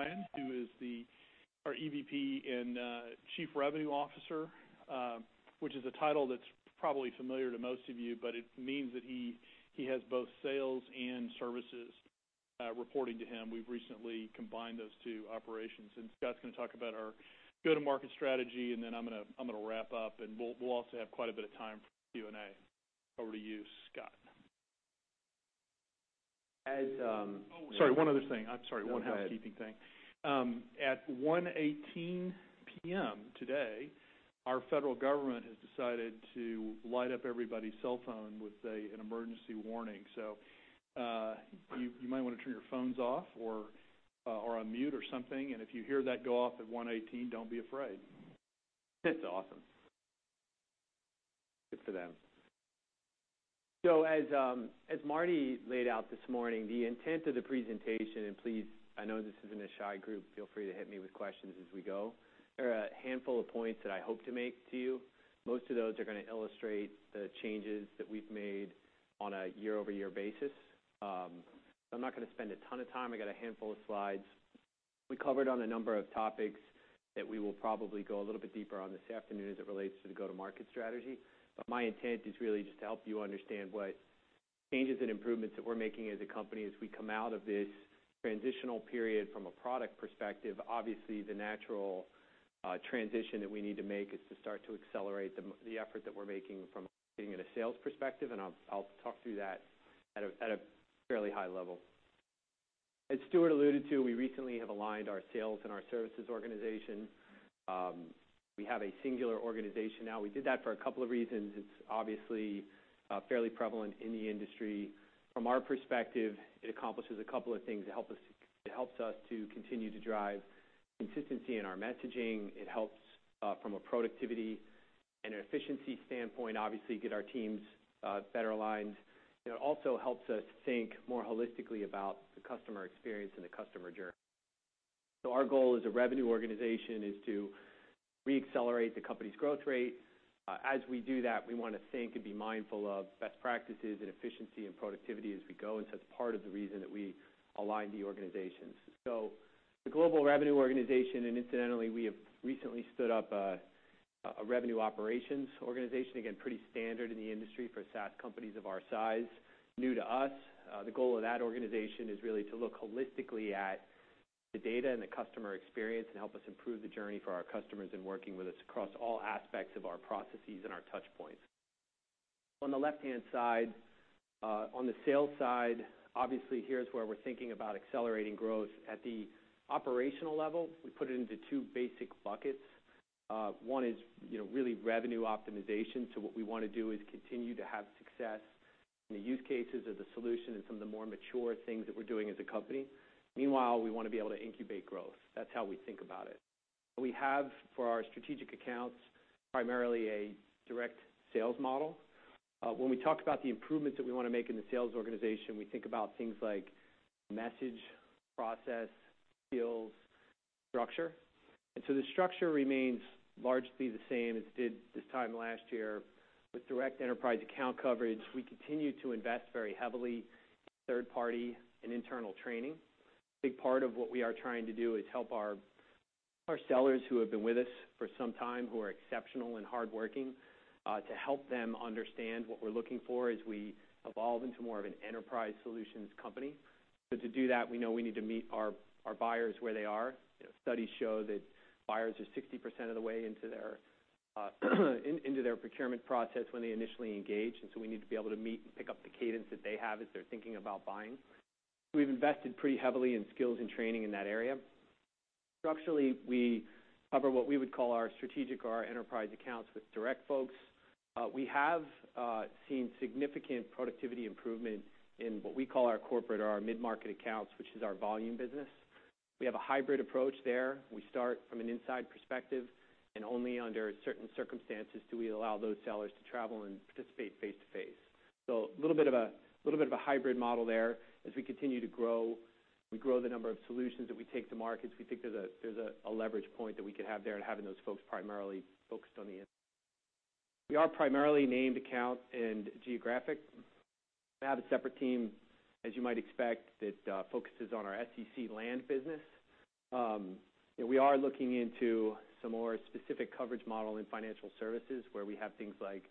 Ryan, who is our EVP and Chief Revenue Officer, which is a title that's probably familiar to most of you, but it means that he has both sales and services reporting to him. We've recently combined those two operations. Scott's going to talk about our go-to-market strategy. I'm going to wrap up. We'll also have quite a bit of time for Q&A. Over to you, Scott. As- Sorry, one other thing. I'm sorry, one housekeeping thing. No, go ahead. At 1:18 P.M. today, our federal government has decided to light up everybody's cell phone with an emergency warning. You might want to turn your phones off or on mute or something. If you hear that go off at 1:18, don't be afraid. That's awesome. Good for them. As Marty laid out this morning, the intent of the presentation, and please, I know this isn't a shy group, feel free to hit me with questions as we go. There are a handful of points that I hope to make to you. Most of those are going to illustrate the changes that we've made on a year-over-year basis. I'm not going to spend a ton of time. I've got a handful of slides. We covered on a number of topics that we will probably go a little bit deeper on this afternoon as it relates to the go-to-market strategy. My intent is really just to help you understand what changes and improvements that we're making as a company as we come out of this transitional period from a product perspective. Obviously, the natural transition that we need to make is to start to accelerate the effort that we're making from a marketing and a sales perspective, and I'll talk through that at a fairly high level. As Stuart alluded to, we recently have aligned our sales and our services organization. We have a singular organization now. We did that for a couple of reasons. It's obviously fairly prevalent in the industry. From our perspective, it accomplishes a couple of things. It helps us to continue to drive consistency in our messaging. It helps from a productivity and an efficiency standpoint, obviously, get our teams better aligned. It also helps us think more holistically about the customer experience and the customer journey. Our goal as a revenue organization is to re-accelerate the company's growth rate. As we do that, we want to think and be mindful of best practices and efficiency and productivity as we go, it's part of the reason that we aligned the organizations. The global revenue organization, and incidentally, we have recently stood up a revenue operations organization. Again, pretty standard in the industry for SaaS companies of our size. New to us. The goal of that organization is really to look holistically at the data and the customer experience, and help us improve the journey for our customers in working with us across all aspects of our processes and our touch points. On the left-hand side, on the sales side, obviously, here's where we're thinking about accelerating growth. At the operational level, we put it into two basic buckets. One is really revenue optimization. What we want to do is continue to have success in the use cases as a solution and some of the more mature things that we're doing as a company. Meanwhile, we want to be able to incubate growth. That's how we think about it. We have, for our strategic accounts, primarily a direct sales model. When we talk about the improvements that we want to make in the sales organization, we think about things like message, process, skills, structure. The structure remains largely the same as it did this time last year. With direct enterprise account coverage, we continue to invest very heavily in third party and internal training. A big part of what we are trying to do is help our sellers who have been with us for some time, who are exceptional and hardworking, to help them understand what we're looking for as we evolve into more of an enterprise solutions company. To do that, we know we need to meet our buyers where they are. Studies show that buyers are 60% of the way into their procurement process when they initially engage. We need to be able to meet and pick up the cadence that they have as they're thinking about buying. We've invested pretty heavily in skills and training in that area. Structurally, we cover what we would call our strategic or our enterprise accounts with direct folks. We have seen significant productivity improvement in what we call our corporate or our mid-market accounts, which is our volume business. We have a hybrid approach there. We start from an inside perspective, and only under certain circumstances do we allow those sellers to travel and participate face-to-face. A little bit of a hybrid model there. As we continue to grow, we grow the number of solutions that we take to markets. We think there's a leverage point that we could have there in having those folks primarily focused on the inside. We are primarily named account and geographic. We have a separate team, as you might expect, that focuses on our SEC land business. We are looking into some more specific coverage model in financial services, where we have things like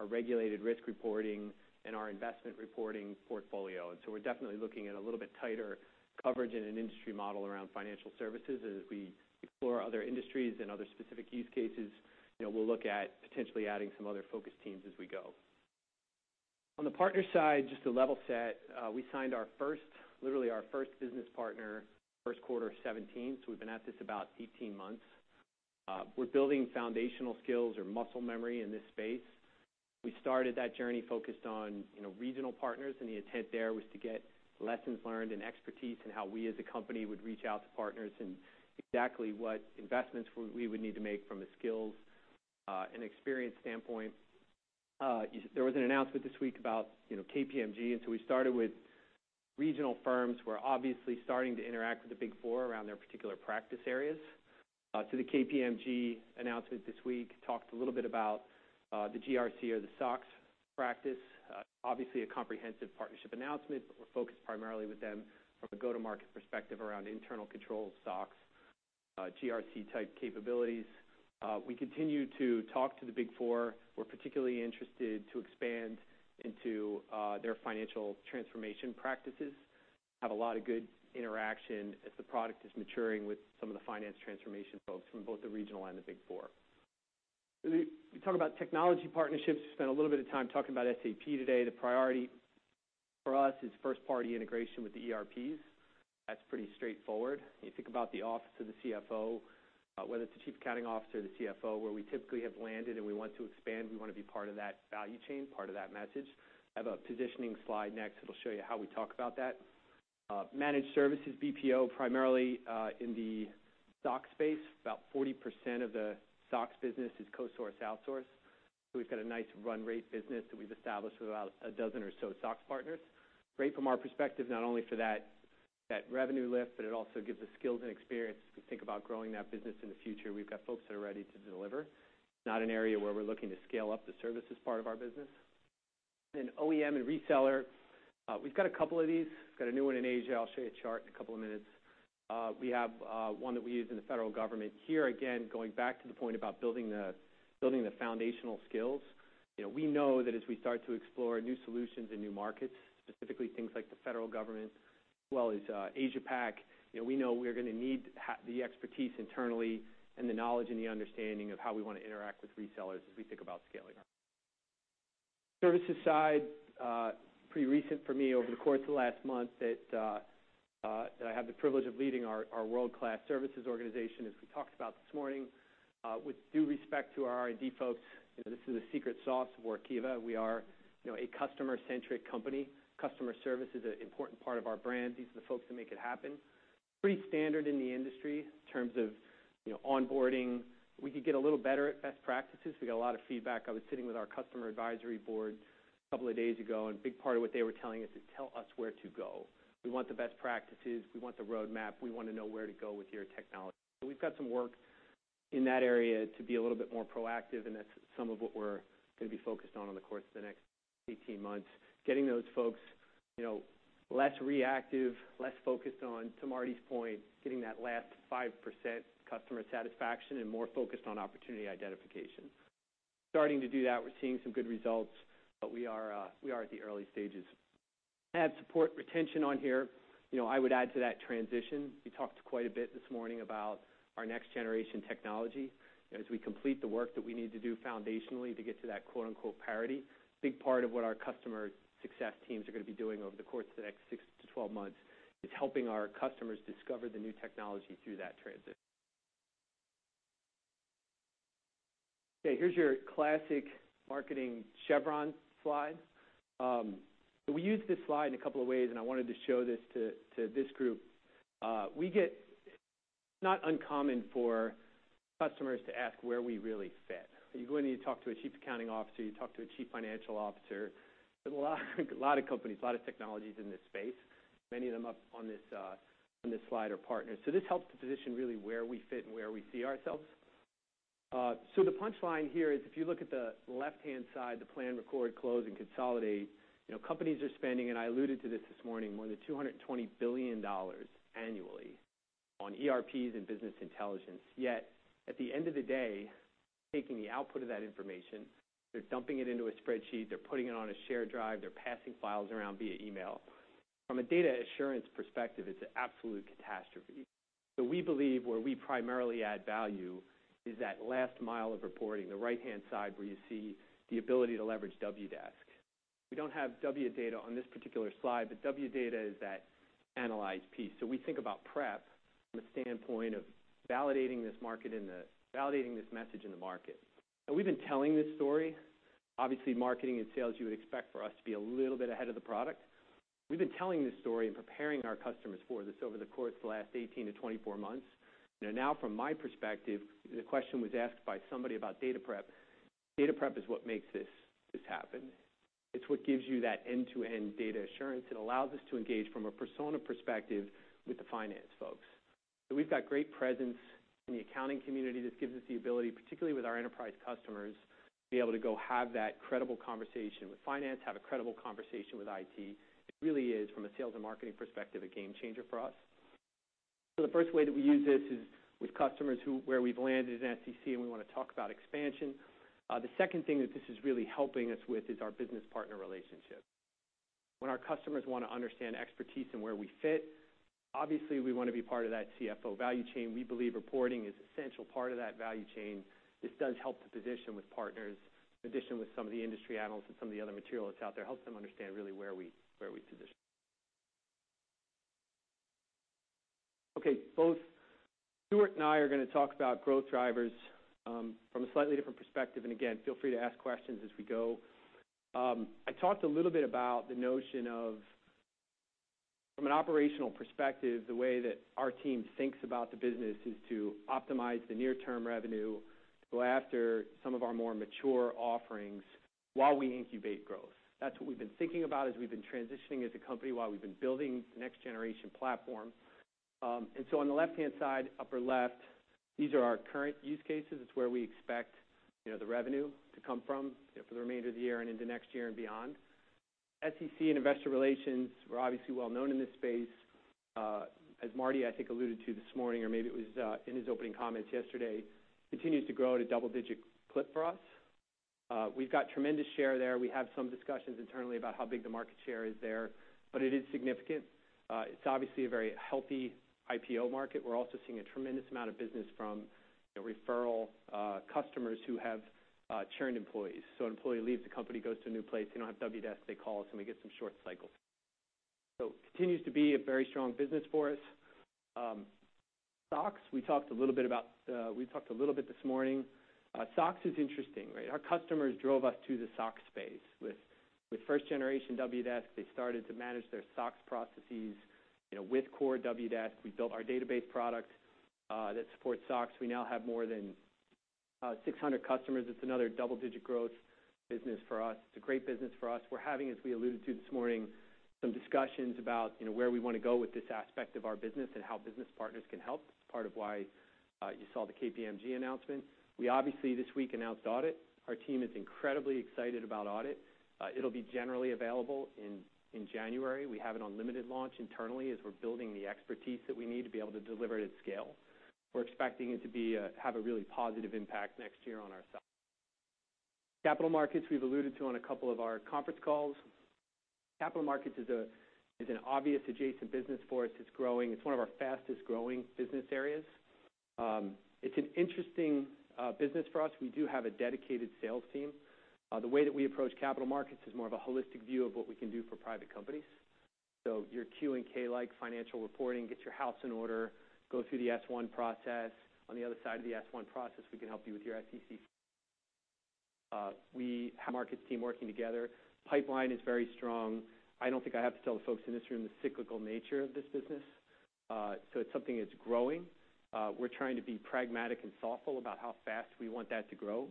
our regulated risk reporting and our investment reporting portfolio. We're definitely looking at a little bit tighter coverage in an industry model around financial services. As we explore other industries and other specific use cases, we'll look at potentially adding some other focus teams as we go. On the partner side, just to level set, we signed literally our first business partner first quarter of 2017, so we've been at this about 18 months. We're building foundational skills or muscle memory in this space. We started that journey focused on regional partners, and the intent there was to get lessons learned and expertise in how we as a company would reach out to partners and exactly what investments we would need to make from a skills and experience standpoint. There was an announcement this week about KPMG. We started with regional firms. We're obviously starting to interact with the Big Four around their particular practice areas. To the KPMG announcement this week, talked a little bit about the GRC or the SOX practice. Obviously, a comprehensive partnership announcement, but we're focused primarily with them from a go-to-market perspective around internal control SOX, GRC-type capabilities. We continue to talk to the Big Four. We're particularly interested to expand into their financial transformation practices. Have a lot of good interaction as the product is maturing with some of the finance transformation folks from both the regional and the Big Four. When we talk about technology partnerships, we spent a little bit of time talking about SAP today. The priority for us is first-party integration with the ERPs. That's pretty straightforward. When you think about the office of the CFO, whether it's the chief accounting officer or the CFO, where we typically have landed and we want to expand, we want to be part of that value chain, part of that message. I have a positioning slide next that'll show you how we talk about that. Managed services, BPO, primarily, in the SOX space. About 40% of the SOX business is co-source outsource. We've got a nice run rate business that we've established with about a dozen or so SOX partners. Great from our perspective, not only for that revenue lift, but it also gives us skills and experience to think about growing that business in the future. We've got folks that are ready to deliver. Not an area where we're looking to scale up the services part of our business. Then OEM and reseller. We've got a couple of these. Got a new one in Asia. I'll show you a chart in a couple of minutes. We have one that we use in the Federal government. Here, again, going back to the point about building the foundational skills. We know that as we start to explore new solutions and new markets, specifically things like the Federal government as well as Asia Pac, we know we're going to need the expertise internally and the knowledge and the understanding of how we want to interact with resellers as we think about scaling. Services side, pretty recent for me over the course of the last month that I have the privilege of leading our world-class services organization, as we talked about this morning. With due respect to our R&D folks, this is the secret sauce for Workiva. We are a customer-centric company. Customer service is an important part of our brand. These are the folks that make it happen. Pretty standard in the industry in terms of onboarding. We could get a little better at best practices. We get a lot of feedback. I was sitting with our customer advisory board a couple of days ago, a big part of what they were telling us is, "Tell us where to go. We want the best practices. We want the roadmap. We want to know where to go with your technology." We've got some work in that area to be a little bit more proactive, and that's some of what we're going to be focused on over the course of the next 18 months, getting those folks less reactive, less focused on, to Marty's point, getting that last 5% customer satisfaction and more focused on opportunity identification. Starting to do that. We're seeing some good results, but we are at the early stages. Add support retention on here. I would add to that transition. We talked quite a bit this morning about our next-generation technology. As we complete the work that we need to do foundationally to get to that quote, unquote, "parity," a big part of what our customer success teams are going to be doing over the course of the next 6 to 12 months is helping our customers discover the new technology through that transition. Okay, here's your classic marketing chevron slide. We use this slide in a couple of ways, and I wanted to show this to this group. It's not uncommon for customers to ask where we really fit. You go in and you talk to a chief accounting officer, you talk to a chief financial officer. There's a lot of companies, a lot of technologies in this space. Many of them up on this slide are partners. This helps to position really where we fit and where we see ourselves. The punchline here is, if you look at the left-hand side, the plan, record, close, and consolidate, companies are spending, and I alluded to this this morning, more than $220 billion annually on ERPs and business intelligence. Yet, at the end of the day, taking the output of that information, they're dumping it into a spreadsheet. They're putting it on a shared drive. They're passing files around via email. From a data assurance perspective, it's an absolute catastrophe. We believe where we primarily add value is that last mile of reporting, the right-hand side, where you see the ability to leverage Wdesk. We don't have Wdata on this particular slide, but Wdata is that analyze piece. We think about prep from the standpoint of validating this message in the market. We've been telling this story. Obviously, marketing and sales, you would expect for us to be a little bit ahead of the product. We've been telling this story and preparing our customers for this over the course of the last 18 to 24 months. Now, from my perspective, the question was asked by somebody about Data Prep. Data Prep is what makes this happen. It's what gives you that end-to-end data assurance. It allows us to engage from a persona perspective with the finance folks. We've got great presence in the accounting community. This gives us the ability, particularly with our enterprise customers, to be able to go have that credible conversation with finance, have a credible conversation with IT. It really is, from a sales and marketing perspective, a game changer for us. The first way that we use this is with customers where we've landed as an CC, and we want to talk about expansion. The second thing that this is really helping us with is our business partner relationship. When our customers want to understand expertise and where we fit, obviously, we want to be part of that CFO value chain. We believe reporting is an essential part of that value chain. This does help the position with partners. In addition, with some of the industry analysts and some of the other material that's out there, it helps them understand really where we position. Both Stuart and I are going to talk about growth drivers from a slightly different perspective, feel free to ask questions as we go. I talked a little bit about the notion of, from an operational perspective, the way that our team thinks about the business is to optimize the near-term revenue, go after some of our more mature offerings while we incubate growth. That's what we've been thinking about as we've been transitioning as a company, while we've been building the next-generation platform. On the left-hand side, upper left, these are our current use cases. It's where we expect the revenue to come from for the remainder of the year and into next year and beyond. SEC and investor relations, we're obviously well-known in this space. As Marty, I think, alluded to this morning, or maybe it was in his opening comments yesterday, continues to grow at a double-digit clip for us. We've got tremendous share there. We have some discussions internally about how big the market share is there, but it is significant. It's obviously a very healthy IPO market. We're also seeing a tremendous amount of business from referral customers who have churned employees. An employee leaves the company, goes to a new place, they don't have Wdesk, they call us, and we get some short cycles. Continues to be a very strong business for us. SOX, we talked a little bit this morning. SOX is interesting, right? Our customers drove us to the SOX space with first generation Wdesk, they started to manage their SOX processes, with core Wdesk. We built our database product, that supports SOX. We now have more than 600 customers. It's another double-digit growth business for us. It's a great business for us. We're having, as we alluded to this morning, some discussions about where we want to go with this aspect of our business and how business partners can help. It's part of why you saw the KPMG announcement. We obviously this week announced Audit. Our team is incredibly excited about Audit. It'll be generally available in January. We have it on limited launch internally as we're building the expertise that we need to be able to deliver it at scale. We're expecting it to have a really positive impact next year on our side. Capital markets, we've alluded to on a couple of our conference calls. Capital markets is an obvious adjacent business for us. It's growing. It's one of our fastest-growing business areas. It's an interesting business for us. We do have a dedicated sales team. The way that we approach capital markets is more of a holistic view of what we can do for private companies. Your Q and K-like financial reporting, get your house in order, go through the S1 process. On the other side of the S1 process, we can help you with your SEC. We have markets team working together. Pipeline is very strong. I don't think I have to tell the folks in this room the cyclical nature of this business. It's something that's growing. We're trying to be pragmatic and thoughtful about how fast we want that to grow,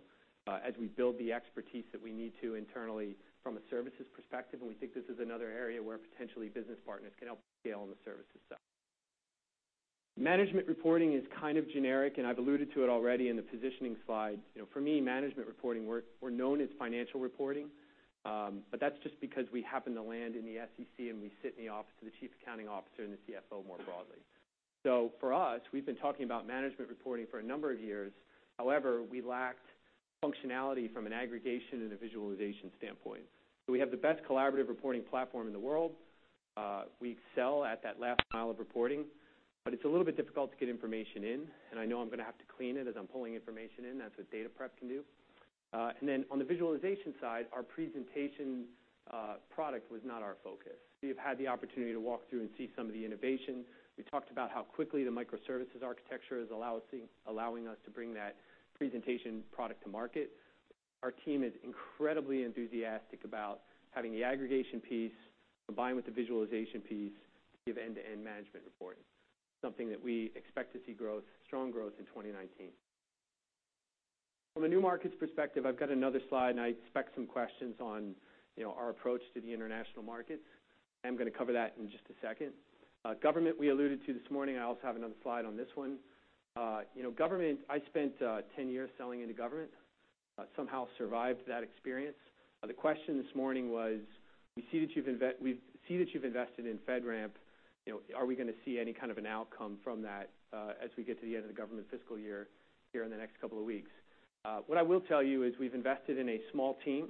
as we build the expertise that we need to internally from a services perspective. We think this is another area where potentially business partners can help scale on the services side. Management reporting is kind of generic, and I've alluded to it already in the positioning slide. For me, management reporting, we're known as financial reporting, but that's just because we happen to land in the SEC, and we sit in the office of the Chief Accounting Officer and the CFO more broadly. For us, we've been talking about management reporting for a number of years. However, we lacked functionality from an aggregation and a visualization standpoint. We have the best collaborative reporting platform in the world. We excel at that last mile of reporting, but it's a little bit difficult to get information in, and I know I'm going to have to clean it as I'm pulling information in. That's what Data Prep can do. Then on the visualization side, our presentation product was not our focus. You've had the opportunity to walk through and see some of the innovation. We talked about how quickly the microservices architecture is allowing us to bring that presentation product to market. Our team is incredibly enthusiastic about having the aggregation piece combined with the visualization piece to give end-to-end management reporting. Something that we expect to see strong growth in 2019. From a new markets perspective, I've got another slide, and I expect some questions on our approach to the international markets. I am going to cover that in just a second. Government, we alluded to this morning. I also have another slide on this one. Government, I spent 10 years selling into government, somehow survived that experience. The question this morning was, we see that you've invested in FedRAMP. Are we going to see any kind of an outcome from that, as we get to the end of the government fiscal year here in the next couple of weeks? What I will tell you is we've invested in a small team.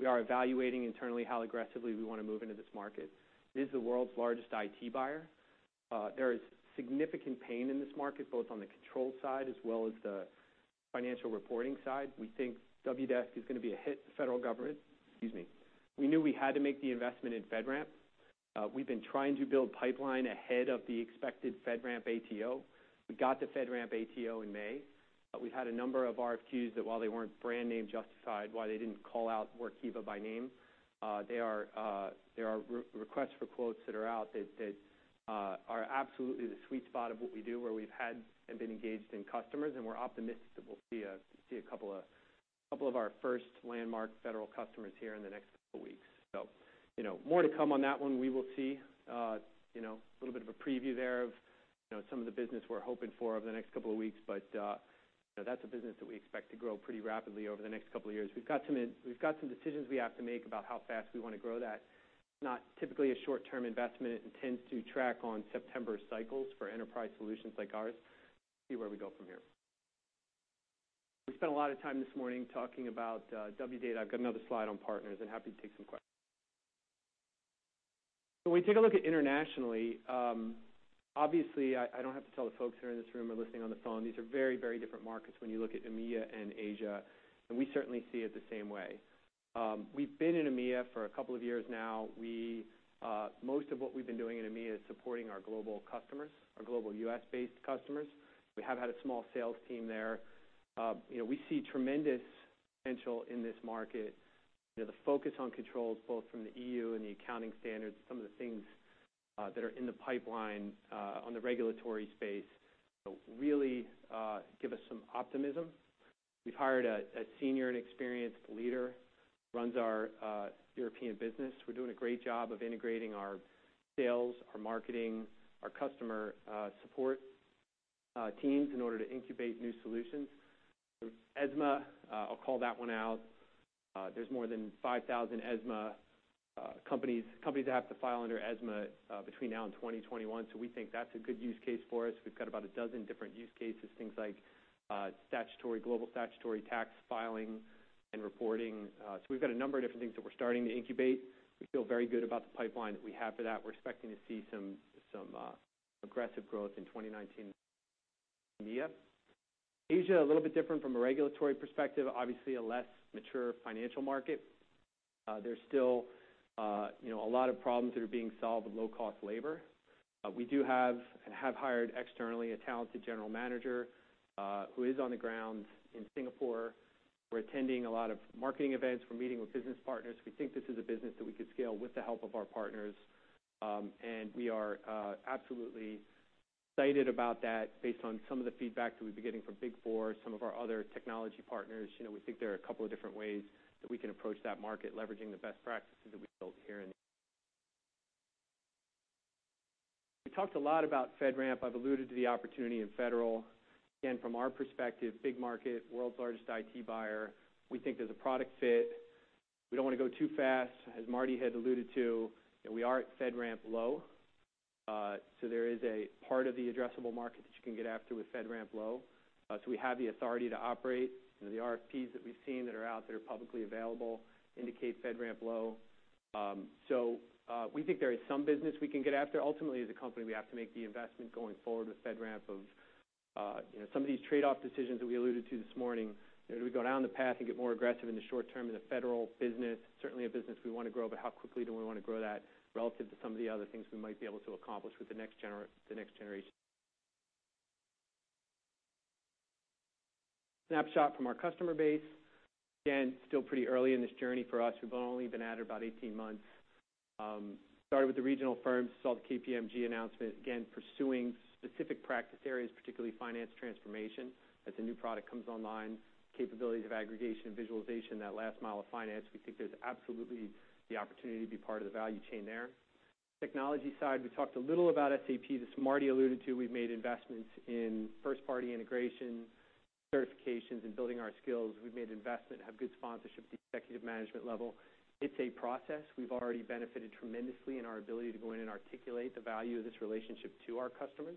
We are evaluating internally how aggressively we want to move into this market. It is the world's largest IT buyer. There is significant pain in this market, both on the control side as well as the financial reporting side. We think Wdesk is going to be a hit for federal government. Excuse me. We knew we had to make the investment in FedRAMP. We've been trying to build pipeline ahead of the expected FedRAMP ATO. We got the FedRAMP ATO in May. We've had a number of RFQs that while they weren't brand name justified, while they didn't call out Workiva by name, there are requests for quotes that are out that are absolutely the sweet spot of what we do, where we've had and been engaged in customers, and we're optimistic that we'll see a couple of our first landmark federal customers here in the next couple of weeks. More to come on that one. We will see a little bit of a preview there of some of the business we're hoping for over the next couple of weeks. That's a business that we expect to grow pretty rapidly over the next couple of years. We've got some decisions we have to make about how fast we want to grow that. Not typically a short-term investment. It tends to track on September cycles for enterprise solutions like ours. See where we go from here. We spent a lot of time this morning talking about Wdata. I've got another slide on partners and happy to take some questions. When we take a look at internationally, obviously, I don't have to tell the folks who are in this room or listening on the phone, these are very, very different markets when you look at EMEA and Asia, and we certainly see it the same way. We've been in EMEA for a couple of years now. Most of what we've been doing in EMEA is supporting our global customers, our global U.S.-based customers. We have had a small sales team there. We see tremendous potential in this market. The focus on controls, both from the EU and the accounting standards, some of the things that are in the pipeline, on the regulatory space, really give us some optimism. We've hired a senior and experienced leader, runs our European business. We're doing a great job of integrating our sales, our marketing, our customer support teams in order to incubate new solutions. ESMA, I'll call that one out. There's more than 5,000 ESMA companies that have to file under ESMA between now and 2021. We think that's a good use case for us. We've got about a dozen different use cases, things like global statutory tax filing and reporting. We've got a number of different things that we're starting to incubate. We feel very good about the pipeline that we have for that. We're expecting to see some aggressive growth in 2019 in EMEA. Asia, a little bit different from a regulatory perspective, obviously a less mature financial market. There's still a lot of problems that are being solved with low-cost labor. We do have, and have hired externally, a talented general manager, who is on the ground in Singapore. We're attending a lot of marketing events. We're meeting with business partners. We think this is a business that we could scale with the help of our partners. We are absolutely excited about that based on some of the feedback that we've been getting from Big Four, some of our other technology partners. We think there are a couple of different ways that we can approach that market, leveraging the best practices that we built. We talked a lot about FedRAMP. I've alluded to the opportunity in federal. Again, from our perspective, big market, world's largest IT buyer. We think there's a product fit. We don't want to go too fast. As Marty had alluded to, we are at FedRAMP Low. There is a part of the addressable market that you can get after with FedRAMP Low. We have the authority to operate. The RFPs that we've seen that are out there publicly available indicate FedRAMP Low. We think there is some business we can get after. Ultimately, as a company, we have to make the investment going forward with FedRAMP of some of these trade-off decisions that we alluded to this morning. Do we go down the path and get more aggressive in the short term in the federal business? Certainly, a business we want to grow, but how quickly do we want to grow that relative to some of the other things we might be able to accomplish with the next generation? Snapshot from our customer base. Again, still pretty early in this journey for us. We've only been at it about 18 months. Started with the regional firms, saw the KPMG announcement, again, pursuing specific practice areas, particularly finance transformation. As the new product comes online, capabilities of aggregation and visualization, that last mile of finance, we think there's absolutely the opportunity to be part of the value chain there. Technology side, we talked a little about SAP. This Marty alluded to, we've made investments in first-party integration, certifications, and building our skills. We've made investment, have good sponsorship at the executive management level. It's a process. We've already benefited tremendously in our ability to go in and articulate the value of this relationship to our customers.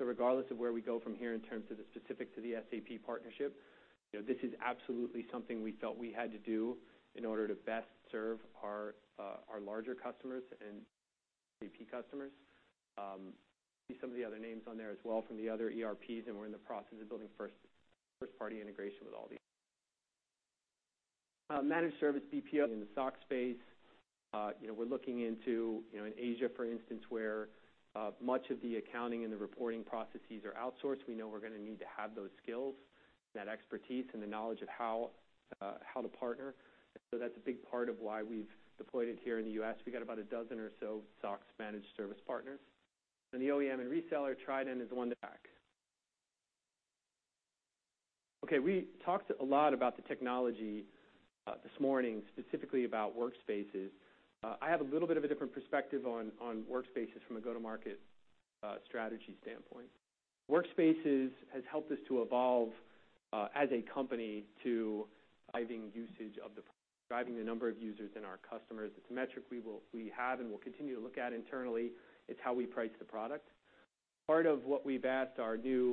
Regardless of where we go from here in terms of the specific to the SAP partnership, this is absolutely something we felt we had to do in order to best serve our larger customers and SAP customers. See some of the other names on there as well from the other ERPs, and we're in the process of building first-party integration with all these. Managed service BPOs in the SOX space. We're looking into, in Asia, for instance, where much of the accounting and the reporting processes are outsourced. We know we're going to need to have those skills, that expertise, and the knowledge of how to partner. That's a big part of why we've deployed it here in the U.S. We got about a dozen or so SOX managed service partners. The OEM and reseller, Trident. We talked a lot about the technology this morning, specifically about Workspaces. I have a little bit of a different perspective on Workspaces from a go-to-market strategy standpoint. Workspaces has helped us to evolve as a company to driving the number of users in our customers. It's a metric we have and will continue to look at internally. It's how we price the product. Part of what we've asked our new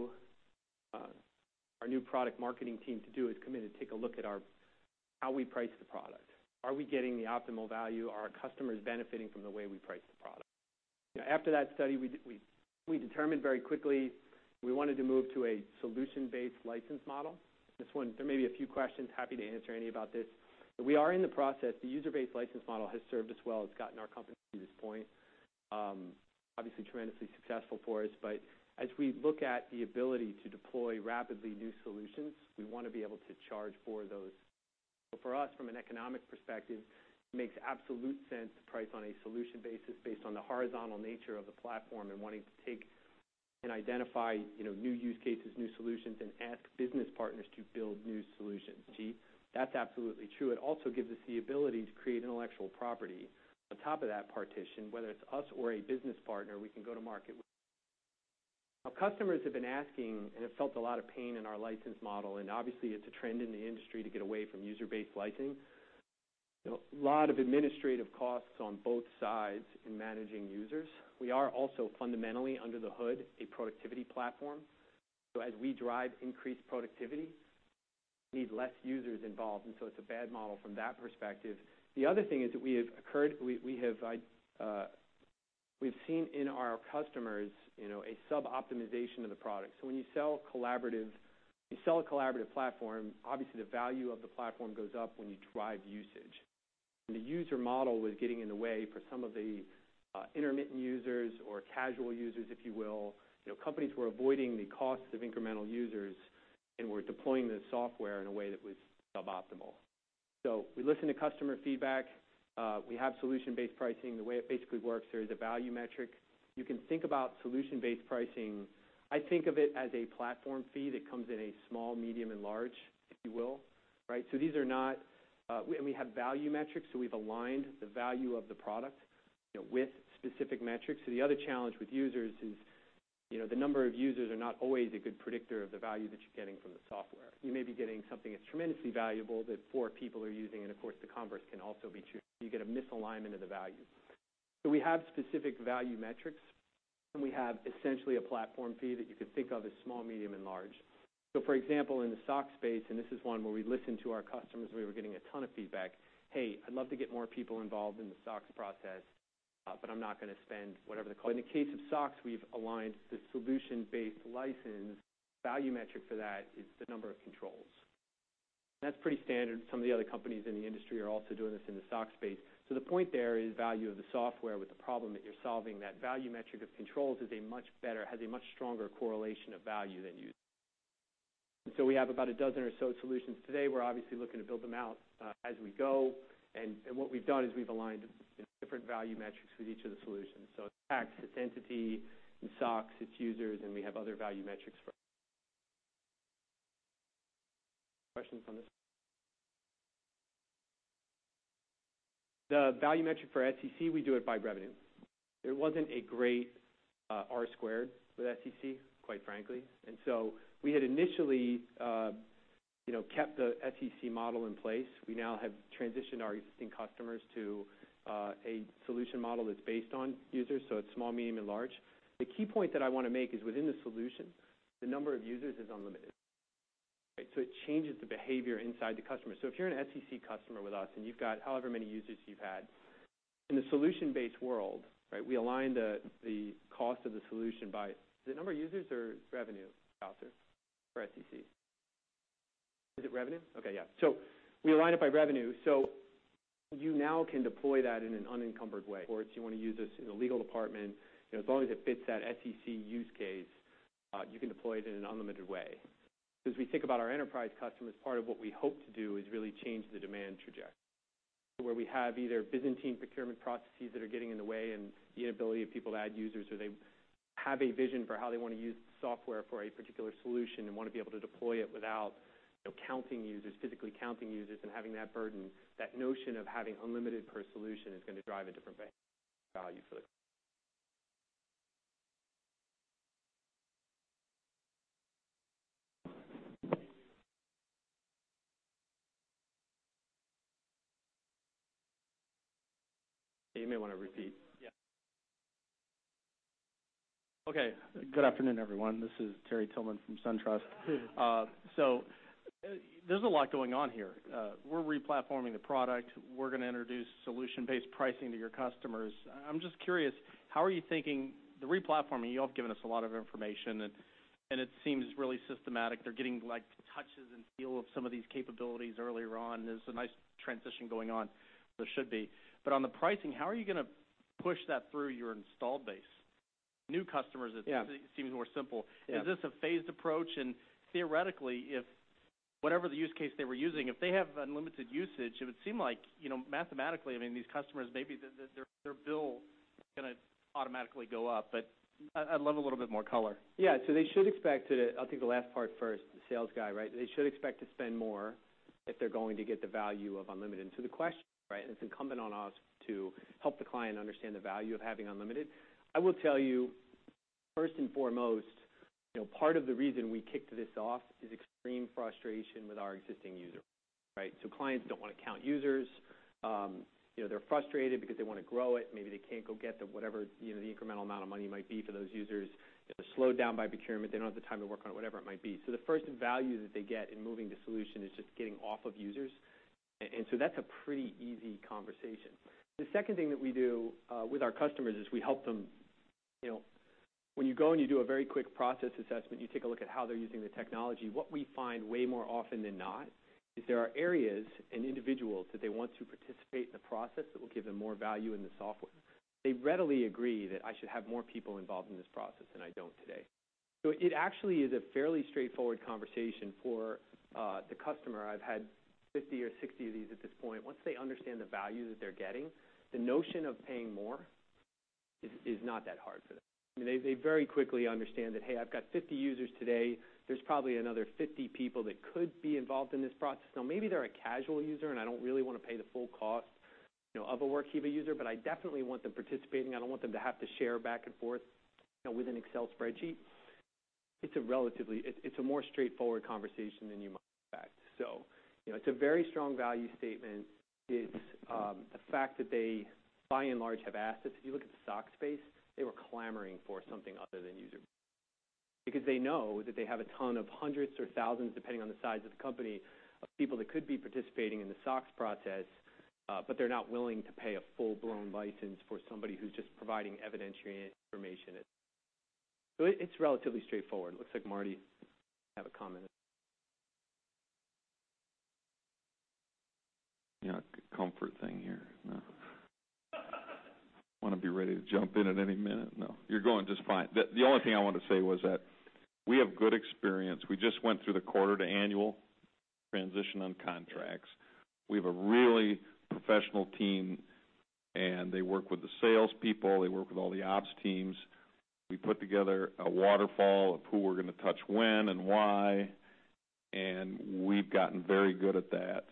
product marketing team to do is come in and take a look at how we price the product. Are we getting the optimal value? Are our customers benefiting from the way we price the product? After that study, we determined very quickly we wanted to move to a solution-based license model. This one, there may be a few questions, happy to answer any about this. We are in the process. The user-based license model has served us well. It's gotten our company to this point, obviously tremendously successful for us. As we look at the ability to deploy rapidly new solutions, we want to be able to charge for those. For us, from an economic perspective, it makes absolute sense to price on a solution basis based on the horizontal nature of the platform and wanting to take and identify new use cases, new solutions, and ask business partners to build new solutions. That's absolutely true. It also gives us the ability to create intellectual property. On top of that partition, whether it's us or a business partner, we can go to market. Our customers have been asking and have felt a lot of pain in our license model, and obviously, it's a trend in the industry to get away from user-based licensing, with a lot of administrative costs on both sides in managing users. We are also fundamentally, under the hood, a productivity platform. As we drive increased productivity, we need less users involved, and so it's a bad model from that perspective. The other thing is that we've seen in our customers a sub-optimization of the product. When you sell a collaborative platform, obviously the value of the platform goes up when you drive usage. The user model was getting in the way for some of the intermittent users or casual users, if you will. Companies were avoiding the costs of incremental users and were deploying the software in a way that was suboptimal. We listen to customer feedback. We have solution-based pricing. The way it basically works, there is a value metric. You can think about solution-based pricing. I think of it as a platform fee that comes in a small, medium, and large, if you will. We have value metrics, we've aligned the value of the product with specific metrics. The other challenge with users is the number of users are not always a good predictor of the value that you're getting from the software. You may be getting something that's tremendously valuable that four people are using, and of course, the converse can also be true. You get a misalignment of the value. We have specific value metrics, and we have essentially a platform fee that you could think of as small, medium, and large. For example, in the SOX space, this is one where we listened to our customers, we were getting a ton of feedback, "Hey, I'd love to get more people involved in the SOX process." In the case of SOX, we've aligned the solution-based license value metric for that is the number of controls. That's pretty standard. Some of the other companies in the industry are also doing this in the SOX space. The point there is value of the software with the problem that you're solving, that value metric of controls has a much stronger correlation of value than user. We have about a dozen or so solutions today. We're obviously looking to build them out as we go. What we've done is we've aligned different value metrics with each of the solutions. It's tax, it's entity, in SOX, it's users. We have other value metrics for. Questions on this? The value metric for SEC, we do it by revenue. There wasn't a great R-squared with SEC, quite frankly. We had initially kept the SEC model in place. We now have transitioned our existing customers to a solution model that's based on users, it's small, medium, and large. The key point that I want to make is within the solution, the number of users is unlimited. It changes the behavior inside the customer. If you're an SEC customer with us and you've got however many users you've had, in the solution-based world, we align the cost of the solution by. Is it number of users or revenue, Arthur, for SEC? Is it revenue? Okay. Yeah. We align it by revenue, you now can deploy that in an unencumbered way. Of course, you want to use this in a legal department. As long as it fits that SEC use case, you can deploy it in an unlimited way. As we think about our enterprise customers, part of what we hope to do is really change the demand trajectory. Where we have either Byzantine procurement processes that are getting in the way and the inability of people to add users, or they have a vision for how they want to use the software for a particular solution and want to be able to deploy it without counting users, physically counting users, and having that burden, that notion of having unlimited per solution is going to drive a different value. Yeah. Okay. Good afternoon, everyone. This is Terry Tillman from SunTrust. There's a lot going on here. We're replatforming the product. We're going to introduce solution-based pricing to your customers. I'm just curious, the replatforming, you all have given us a lot of information, and it seems really systematic. They're getting touches and feel of some of these capabilities earlier on. There's a nice transition going on, or there should be. On the pricing, how are you going to push that through your installed base? New customers- Yeah it seems more simple. Yeah. Is this a phased approach? Theoretically, if whatever the use case they were using, if they have unlimited usage, it would seem like, mathematically, these customers, maybe their bill is going to automatically go up, I'd love a little bit more color. Yeah. I'll take the last part first, the sales guy. They should expect to spend more if they're going to get the value of unlimited. The question, it's incumbent on us to help the client understand the value of having unlimited. I will tell you, first and foremost, part of the reason we kicked this off is extreme frustration with our existing user. Clients don't want to count users. They're frustrated because they want to grow it. Maybe they can't go get the whatever the incremental amount of money might be for those users. They're slowed down by procurement. They don't have the time to work on it, whatever it might be. The first value that they get in moving to solution is just getting off of users. That's a pretty easy conversation. The second thing that we do with our customers is we help them. When you go and you do a very quick process assessment, you take a look at how they're using the technology, what we find way more often than not is there are areas and individuals that they want to participate in the process that will give them more value in the software. They readily agree that I should have more people involved in this process than I don't today. It actually is a fairly straightforward conversation for the customer. I've had 50 or 60 of these at this point. Once they understand the value that they're getting, the notion of paying more is not that hard for them. They very quickly understand that, hey, I've got 50 users today. There's probably another 50 people that could be involved in this process. Maybe they're a casual user, and I don't really want to pay the full cost of a Workiva user, but I definitely want them participating. I don't want them to have to share back and forth with an Excel spreadsheet. It's a more straightforward conversation than you might expect. It's a very strong value statement. It's the fact that they, by and large, have assets. If you look at the SOX space, they were clamoring for something other than user, because they know that they have a ton of hundreds or thousands, depending on the size of the company, of people that could be participating in the SOX process, but they're not willing to pay a full-blown license for somebody who's just providing evidentiary information. It's relatively straightforward. It looks like Marty have a comment. Comfort thing here. No Want to be ready to jump in at any minute? No, you're going just fine. The only thing I wanted to say was that we have good experience. We just went through the quarter to annual transition on contracts. We have a really professional team, they work with the salespeople, they work with all the ops teams. We put together a waterfall of who we're going to touch when and why, we've gotten very good at that.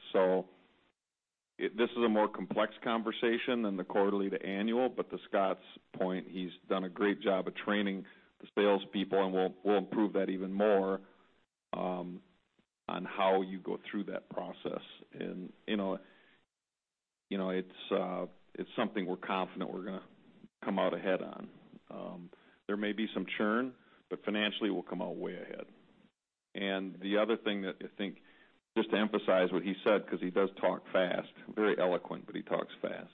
This is a more complex conversation than the quarterly to annual. To Scott's point, he's done a great job of training the salespeople, we'll improve that even more on how you go through that process. It's something we're confident we're going to come out ahead on. There may be some churn, financially, we'll come out way ahead. The other thing that I think, just to emphasize what he said, because he does talk fast, very eloquent, but he talks fast.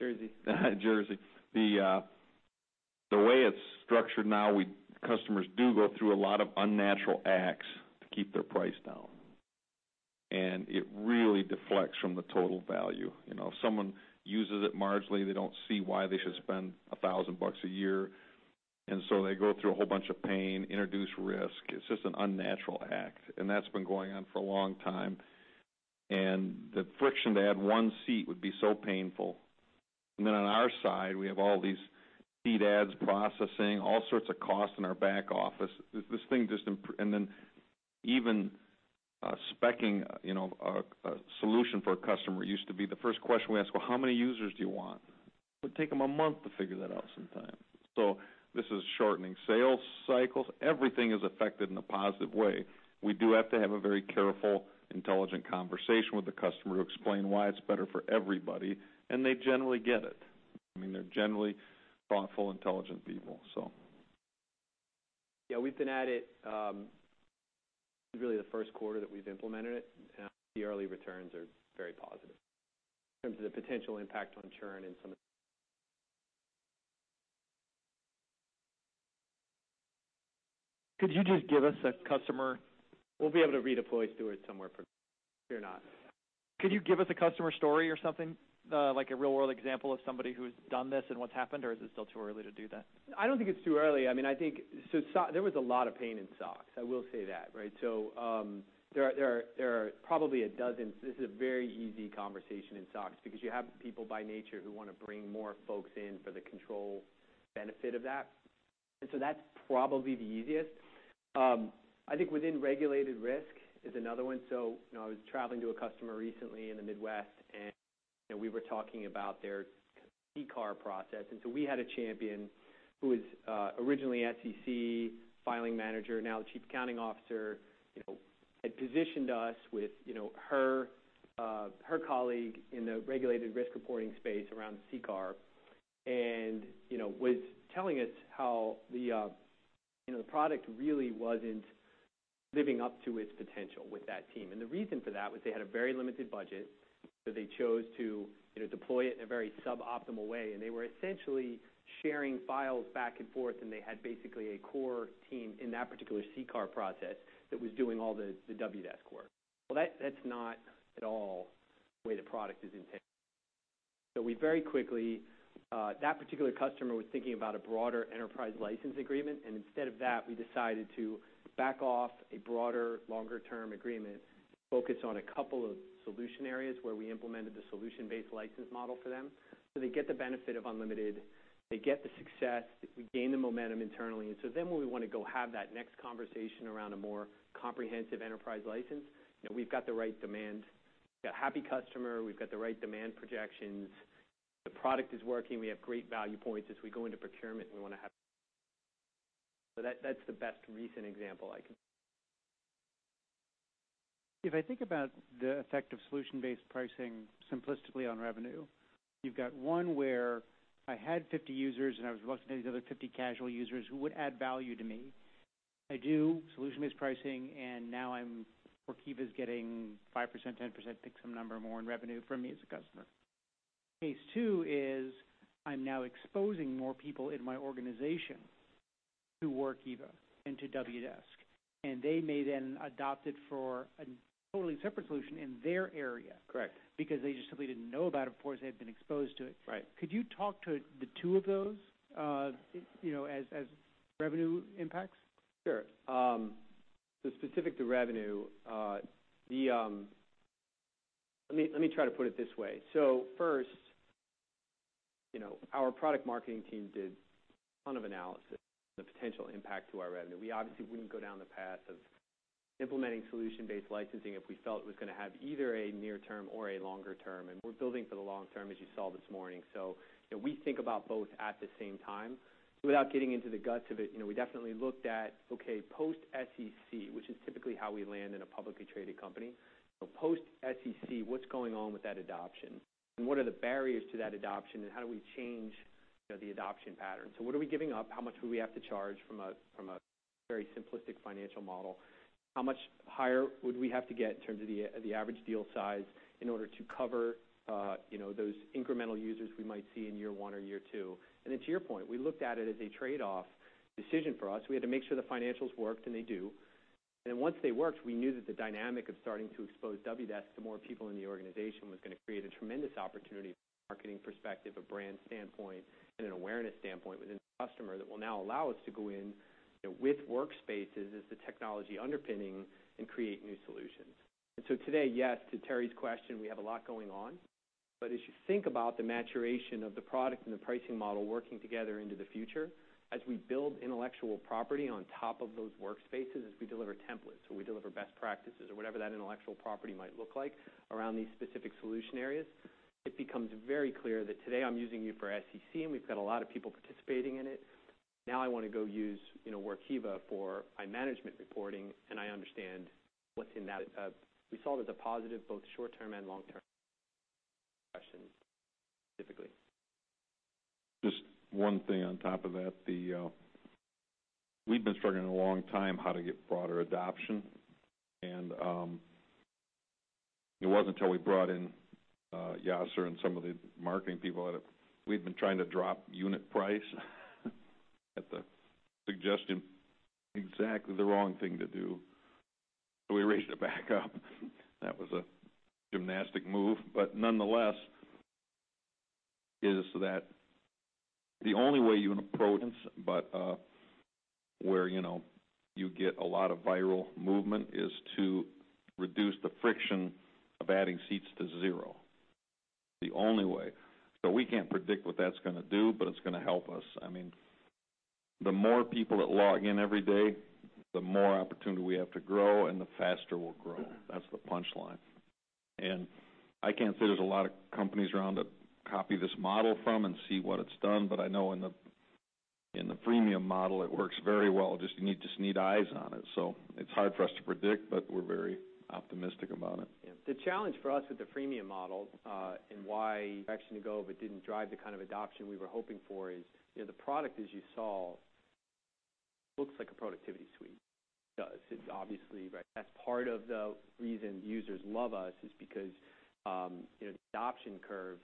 Jersey. Jersey. The way it's structured now, customers do go through a lot of unnatural acts to keep their price down. It really deflects from the total value. If someone uses it marginally, they don't see why they should spend $1,000 a year, they go through a whole bunch of pain, introduce risk. It's just an unnatural act, and that's been going on for a long time. The friction to add one seat would be so painful. On our side, we have all these seat adds, processing, all sorts of costs in our back office. Even speccing a solution for a customer used to be the first question we ask, "Well, how many users do you want?" It would take them a month to figure that out sometimes. This is shortening sales cycles. Everything is affected in a positive way. We do have to have a very careful, intelligent conversation with the customer to explain why it's better for everybody, they generally get it. They're generally thoughtful, intelligent people. Yeah, we've been at it. This is really the first quarter that we've implemented it, the early returns are very positive in terms of the potential impact on churn. Could you just give us a customer We'll be able to redeploy Stuart somewhere pretty soon, fear not. Could you give us a customer story or something, like a real-world example of somebody who's done this and what's happened? Or is it still too early to do that? I don't think it's too early. There was a lot of pain in SOCs, I will say that, right? There are probably a dozen this is a very easy conversation in SOCs because you have people by nature who want to bring more folks in for the control benefit of that. That's probably the easiest. I think within regulated risk is another one. I was traveling to a customer recently in the Midwest, and we were talking about their CCAR process. We had a champion who was originally an SEC filing manager, now the Chief Accounting Officer, had positioned us with her colleague in the regulated risk reporting space around CCAR, and was telling us how the product really wasn't living up to its potential with that team. The reason for that was they had a very limited budget, they chose to deploy it in a very suboptimal way, they were essentially sharing files back and forth, they had basically a core team in that particular CCAR process that was doing all the Wdesk work. Well, that is not at all the way the product is intended. That particular customer was thinking about a broader enterprise license agreement, instead of that, we decided to back off a broader, longer-term agreement to focus on a couple of solution areas where we implemented the solution-based license model for them. They get the benefit of unlimited, they get the success, we gain the momentum internally. When we want to go have that next conversation around a more comprehensive enterprise license, we have got the right demand. We have got a happy customer, we have got the right demand projections. The product is working. We have great value points as we go into procurement, that is the best recent example I can- If I think about the effect of solution-based pricing simplistically on revenue, you have got one where I had 50 users, I was looking at these other 50 casual users who would add value to me. I do solution-based pricing, now Workiva is getting 5%, 10%, pick some number more in revenue from me as a customer. Case 2 is I am now exposing more people in my organization to Workiva and to Wdesk, they may then adopt it for a totally separate solution in their area- Correct Because they just simply did not know about it before, as they had not been exposed to it. Right. Could you talk to the two of those, as revenue impacts? Sure. Specific to revenue, let me try to put it this way. First, our product marketing team did a ton of analysis on the potential impact to our revenue. We obviously wouldn't go down the path of implementing solution-based licensing if we felt it was going to have either a near term or a longer term. We're building for the long term, as you saw this morning. We think about both at the same time. Without getting into the guts of it, we definitely looked at, okay, post SEC, which is typically how we land in a publicly traded company. Post SEC, what's going on with that adoption? What are the barriers to that adoption, and how do we change the adoption pattern? What are we giving up? How much do we have to charge from a very simplistic financial model? How much higher would we have to get in terms of the average deal size in order to cover those incremental users we might see in year one or year two. To your point, we looked at it as a trade-off decision for us. We had to make sure the financials worked, and they do. Once they worked, we knew that the dynamic of starting to expose Wdesk to more people in the organization was going to create a tremendous opportunity from a marketing perspective, a brand standpoint, and an awareness standpoint within the customer that will now allow us to go in with WorkSpaces as the technology underpinning and create new solutions. Today, yes, to Terry's question, we have a lot going on. As you think about the maturation of the product and the pricing model working together into the future, as we build intellectual property on top of those WorkSpaces, as we deliver templates or we deliver best practices or whatever that intellectual property might look like around these specific solution areas, it becomes very clear that today I'm using you for SEC, and we've got a lot of people participating in it. I want to go use Workiva for my management reporting, and I understand what's in that. We saw that as a positive, both short-term and long-term question, specifically. Just one thing on top of that. We've been struggling a long time how to get broader adoption. It wasn't until we brought in Yaser and some of the marketing people that we've been trying to drop unit price, at the suggestion. Exactly the wrong thing to do. We raised it back up. That was a gymnastic move, nonetheless, is that the only way you approach, but where you get a lot of viral movement is to reduce the friction of adding seats to zero. The only way. We can't predict what that's going to do, but it's going to help us. The more people that log in every day, the more opportunity we have to grow and the faster we'll grow. That's the punchline. I can't say there's a lot of companies around to copy this model from and see what it's done. I know in the freemium model, it works very well. You just need eyes on it. It's hard for us to predict, but we're very optimistic about it. The challenge for us with the freemium model, direction to go, but didn't drive the kind of adoption we were hoping for is, the product as you saw, looks like a productivity suite. It does. That's part of the reason users love us, is because the adoption curve,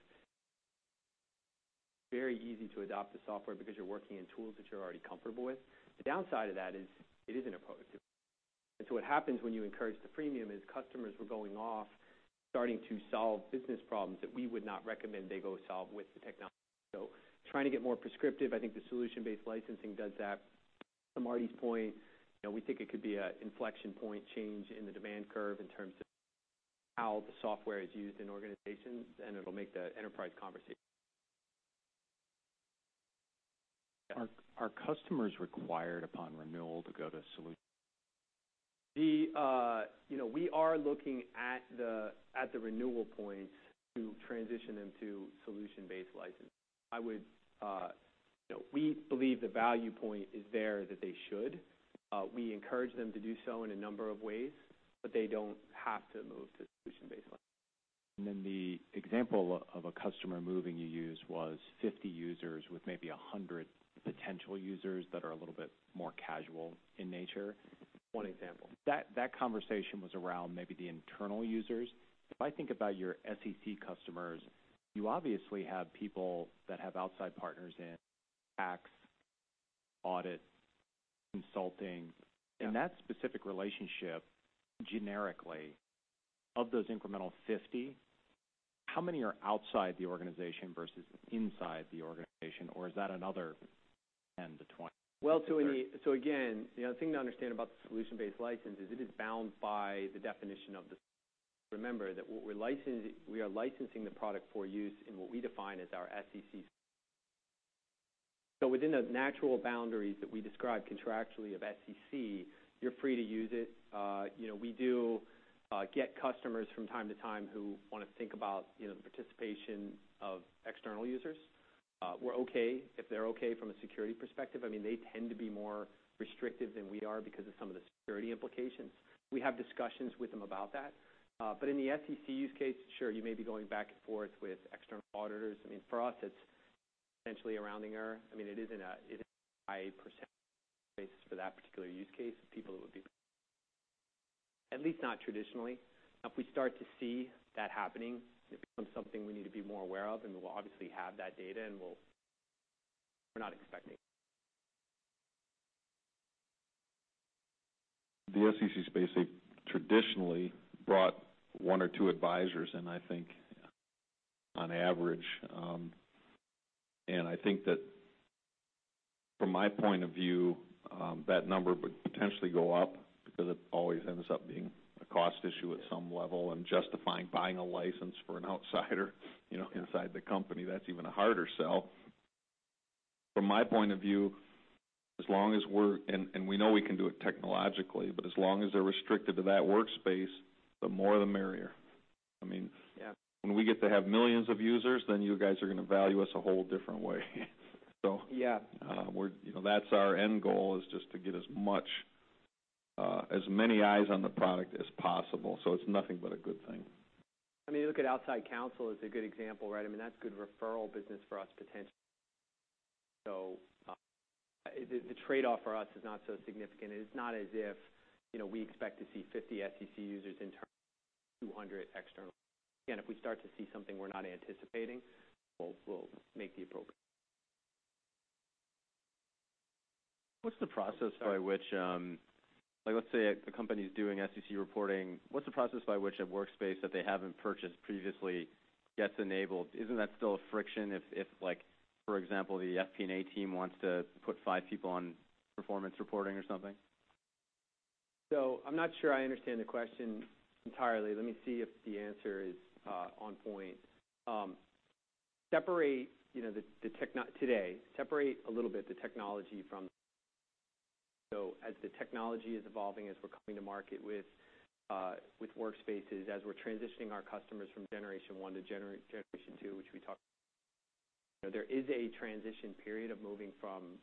very easy to adopt the software because you're working in tools that you're already comfortable with. The downside of that is it is an approach. What happens when you encourage the premium is customers were going off, starting to solve business problems that we would not recommend they go solve with the technology. Trying to get more prescriptive, I think the solution-based licensing does that. To Marty's point, we think it could be an inflection point change in the demand curve in terms of how the software is used in organizations, it'll make the enterprise conversation Are customers required upon renewal to go to solution? We are looking at the renewal points to transition them to solution-based licensing. We believe the value point is there that they should. We encourage them to do so in a number of ways, but they don't have to move to solution-based licensing. The example of a customer moving you used was 50 users with maybe 100 potential users that are a little bit more casual in nature. One example. That conversation was around maybe the internal users. If I think about your SEC customers, you obviously have people that have outside partners in tax, audit, consulting. Yeah. In that specific relationship, generically, of those incremental 50, how many are outside the organization versus inside the organization? Is that another 10 to 20? Again, the thing to understand about the solution-based license is it is bound by the definition of the. Remember that we are licensing the product for use in what we define as our SEC. Within the natural boundaries that we describe contractually of SEC, you're free to use it. We do get customers from time to time who want to think about the participation of external users. We're okay if they're okay from a security perspective. They tend to be more restrictive than we are because of some of the security implications. We have discussions with them about that. In the SEC use case, sure, you may be going back and forth with external auditors. For us, it's potentially a rounding error. It isn't a high percentage basis for that particular use case of people that would be At least not traditionally. If we start to see that happening, it becomes something we need to be more aware of, and we'll obviously have that data. The SEC space, they traditionally brought one or two advisors in, I think, on average. I think that from my point of view, that number would potentially go up because it always ends up being a cost issue at some level and justifying buying a license for an outsider inside the company. That's even a harder sell. From my point of view, we know we can do it technologically, but as long as they're restricted to that Workspaces, the more the merrier. Yeah. When we get to have millions of users, you guys are going to value us a whole different way. Yeah. That's our end goal is just to get as many eyes on the product as possible. It's nothing but a good thing. You look at outside counsel as a good example. That's good referral business for us, potentially. The trade-off for us is not so significant. It's not as if we expect to see 50 SEC users in turn, 200 external. Again, if we start to see something we're not anticipating, we'll make the appropriate What's the process by which, let's say a company's doing SEC reporting. What's the process by which a workspace that they haven't purchased previously gets enabled? Isn't that still a friction if, for example, the FP&A team wants to put five people on performance reporting or something? I am not sure I understand the question entirely. Let me see if the answer is on point. Today, separate a little bit the technology from. As the technology is evolving, as we're coming to market with Workspaces, as we're transitioning our customers from generation 1 to generation 2, which we talked. There is a transition period of moving from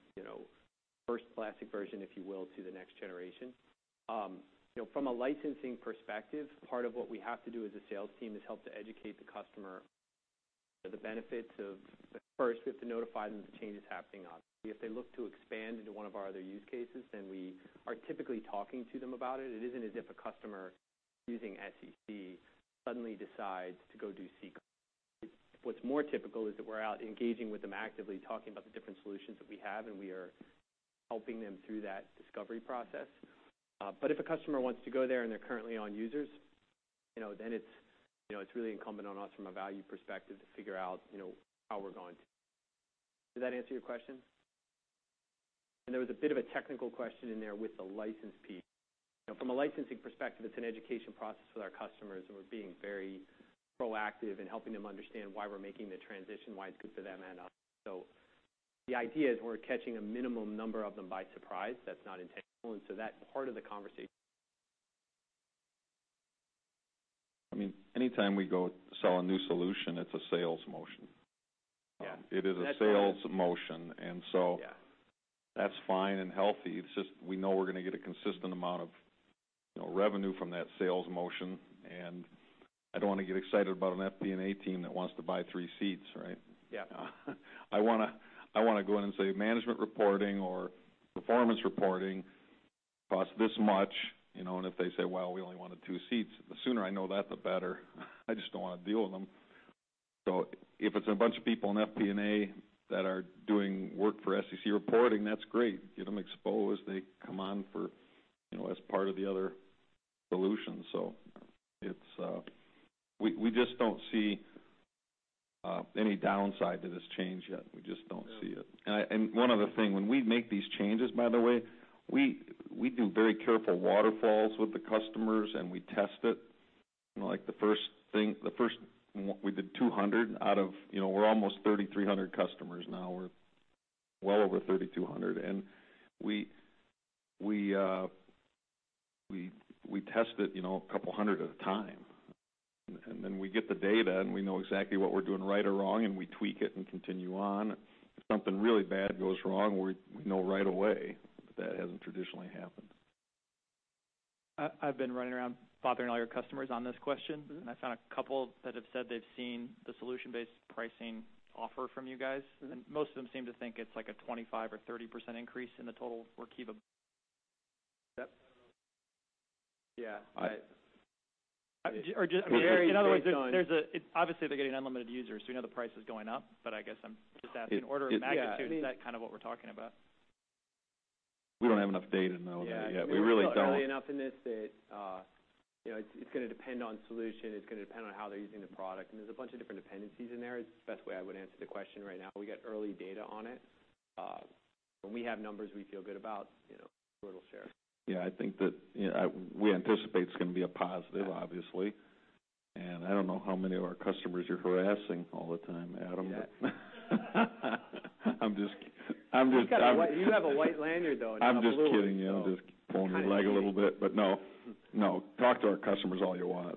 first classic version, if you will, to the next generation. From a licensing perspective, part of what we have to do as a sales team is help to educate the customer the benefits of. First, we have to notify them that the change is happening, obviously. If they look to expand into one of our other use cases, then we are typically talking to them about it. It is not as if a customer using SEC suddenly decides to go do SOX. What is more typical is that we are out engaging with them actively, talking about the different solutions that we have, and we are helping them through that discovery process. If a customer wants to go there and they are currently on Users, then it is really incumbent on us from a value perspective to figure out how we are going to. Does that answer your question? There was a bit of a technical question in there with the license piece. From a licensing perspective, it is an education process with our customers, and we are being very proactive in helping them understand why we are making the transition, why it is good for them and us. The idea is we are catching a minimum number of them by surprise. That is not intentional. That part of the conversation. Anytime we go sell a new solution, it is a sales motion. Yeah. It is a sales motion. Yeah. That's fine and healthy. It's just we know we're going to get a consistent amount of revenue from that sales motion, and I don't want to get excited about an FP&A team that wants to buy three seats, right? Yeah. I want to go in and say management reporting or performance reporting costs this much. If they say, "Well, we only wanted two seats," the sooner I know that, the better. I just don't want to deal with them. If it's a bunch of people in FP&A that are doing work for SEC reporting, that's great. Get them exposed. They come on as part of the other solutions. We just don't see any downside to this change yet. We just don't see it. No. One other thing. When we make these changes, by the way, we do very careful waterfalls with the customers, and we test it. We did 200. We're almost 3,300 customers now. We're well over 3,200. We test it a couple of hundred at a time. Then we get the data, and we know exactly what we're doing right or wrong, and we tweak it and continue on. If something really bad goes wrong, we know right away. That hasn't traditionally happened. I've been running around bothering all your customers on this question. I found a couple that have said they've seen the solution-based pricing offer from you guys. Most of them seem to think it's like a 25% or 30% increase in the total Workiva Yep. Yeah. just. I mean. In other words, obviously, they're getting unlimited users, so we know the price is going up, but I guess I'm just asking order of magnitude. Yeah. Is that kind of what we're talking about? We don't have enough data to know that yet. We really don't. We are still early enough in this that it's going to depend on solution. It's going to depend on how they're using the product. There's a bunch of different dependencies in there, is the best way I would answer the question right now. We got early data on it. When we have numbers we feel good about, we'll share. Yeah, I think that we anticipate it's going to be a positive, obviously. Yeah. I don't know how many of our customers you're harassing all the time, Adam. Yeah. I'm just-- You have a white lanyard, though, and not blue. I'm just kidding you. I'm just pulling your leg a little bit. No, talk to our customers all you want.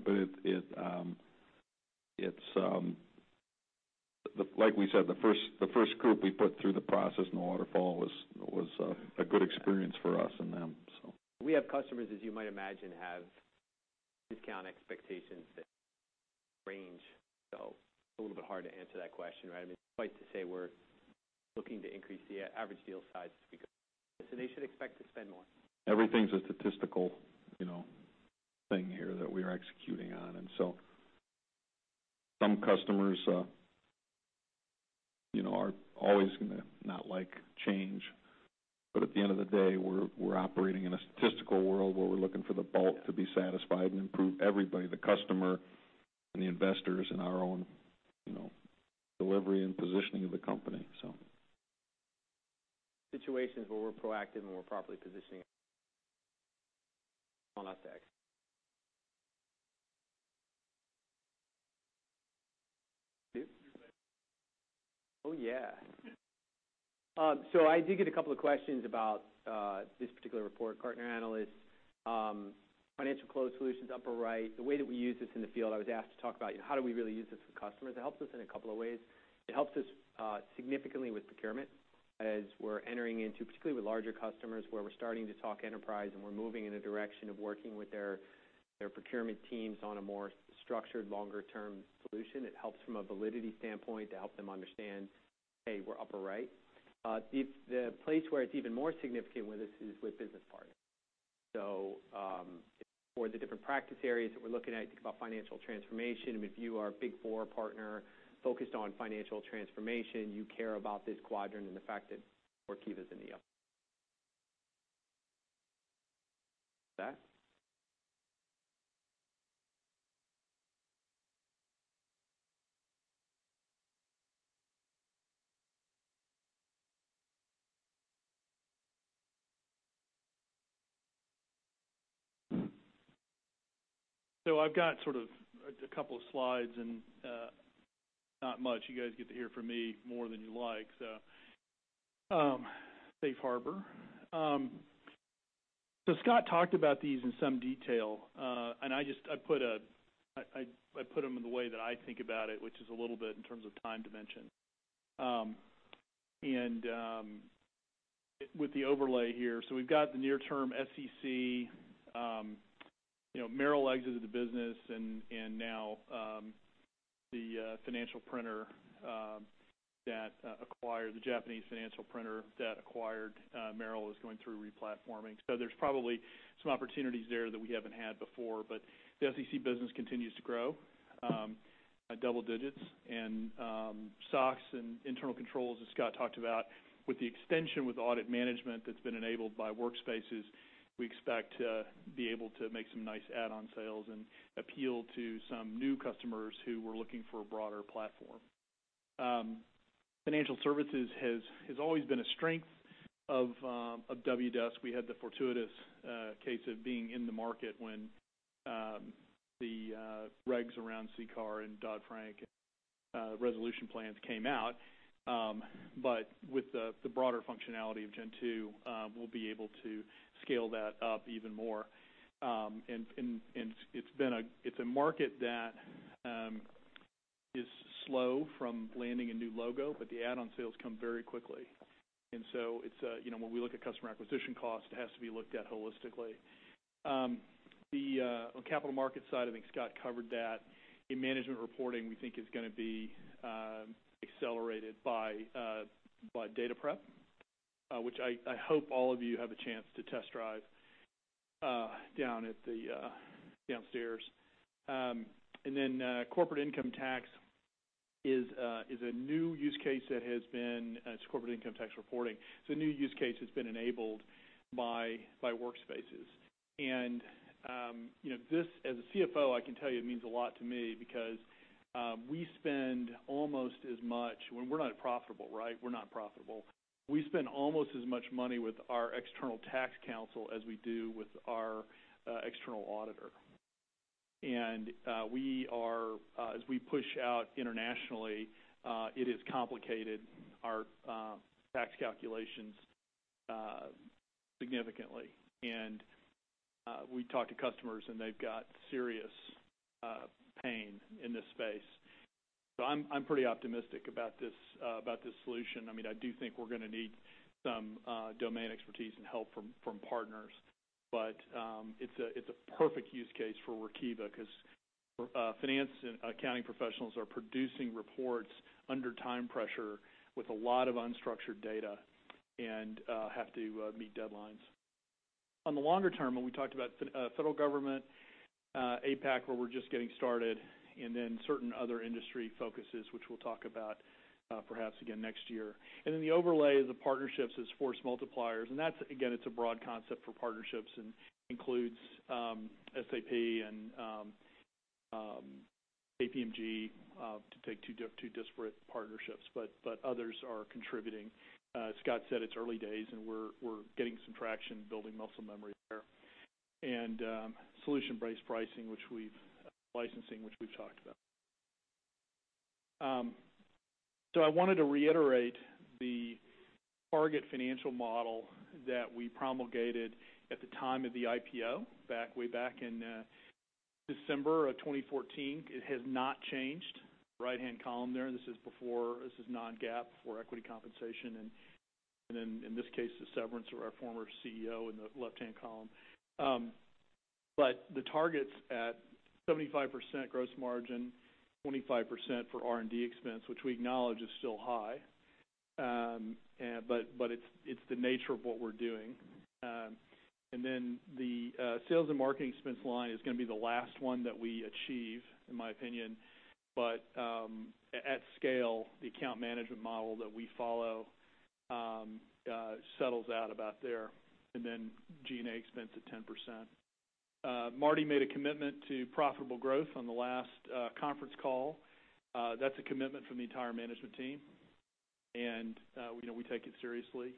Like we said, the first group we put through the process in the waterfall was a good experience for us and them. We have customers, as you might imagine, have discount expectations that range, so it's a little bit hard to answer that question, right? Suffice it to say we're looking to increase the average deal size as we go. They should expect to spend more. Everything's a statistical thing here that we are executing on. Some customers are always going to not like change. At the end of the day, we're operating in a statistical world where we're looking for the bulk to be satisfied and improve everybody, the customer, and the investors, and our own delivery and positioning of the company. Situations where we're proactive and we're properly positioning On that stack. Oh, yeah. I did get a couple of questions about this particular report, Gartner analyst. Financial close solutions, upper right. The way that we use this in the field, I was asked to talk about how do we really use this with customers. It helps us in a couple of ways. It helps us significantly with procurement as we're entering into, particularly with larger customers, where we're starting to talk enterprise and we're moving in a direction of working with their procurement teams on a more structured, longer-term solution. It helps from a validity standpoint to help them understand, hey, we're upper right. The place where it's even more significant with this is with business partners. For the different practice areas that we're looking at, think about financial transformation, and if you are a Big Four partner focused on financial transformation, you care about this quadrant and the fact that Workiva's in the upper right. Next slide. I've got sort of a couple of slides and not much. You guys get to hear from me more than you like. Safe harbor. Scott talked about these in some detail. I put them in the way that I think about it, which is a little bit in terms of time dimension. With the overlay here, we've got the near-term SEC. Merrill exited the business, and now the Japanese financial printer that acquired Merrill is going through re-platforming. There's probably some opportunities there that we haven't had before. The SEC business continues to grow, double digits. SOX and internal controls, as Scott talked about, with the extension with audit management that's been enabled by Workspaces, we expect to be able to make some nice add-on sales and appeal to some new customers who were looking for a broader platform. Financial services has always been a strength of Wdesk. We had the fortuitous case of being in the market when the regs around CCAR and Dodd-Frank resolution plans came out. With the broader functionality of Gen2, we'll be able to scale that up even more. It's a market that is slow from landing a new logo, but the add-on sales come very quickly. When we look at customer acquisition cost, it has to be looked at holistically. The capital markets side, I think Scott covered that. In management reporting, we think it's going to be accelerated by Data Prep, which I hope all of you have a chance to test drive downstairs. Corporate income tax reporting is a new use case that has been enabled by Workspaces. As a CFO, I can tell you, it means a lot to me because we spend almost as much. We're not profitable. We spend almost as much money with our external tax counsel as we do with our external auditor. As we push out internationally, it has complicated our tax calculations significantly. We talk to customers, and they've got serious pain in this space. I'm pretty optimistic about this solution. I do think we're going to need some domain expertise and help from partners. It's a perfect use case for Workiva, because finance and accounting professionals are producing reports under time pressure with a lot of unstructured data, and have to meet deadlines. On the longer term, when we talked about federal government, APAC, where we're just getting started, and then certain other industry focuses, which we'll talk about perhaps again next year. The overlay of the partnerships as force multipliers, and that, again, it's a broad concept for partnerships and includes SAP and KPMG, to take two disparate partnerships, but others are contributing. As Scott said, it's early days, and we're getting some traction building muscle memory there. Solution-based pricing, licensing, which we've talked about. I wanted to reiterate the target financial model that we promulgated at the time of the IPO, way back in December 2014. It has not changed. Right-hand column there, this is non-GAAP for equity compensation, and then, in this case, the severance of our former CEO in the left-hand column. The target's at 75% gross margin, 25% for R&D expense, which we acknowledge is still high. It's the nature of what we're doing. The sales and marketing expense line is going to be the last one that we achieve, in my opinion. At scale, the account management model that we follow settles out about there, and then G&A expense at 10%. Marty made a commitment to profitable growth on the last conference call. That's a commitment from the entire management team, and we take it seriously.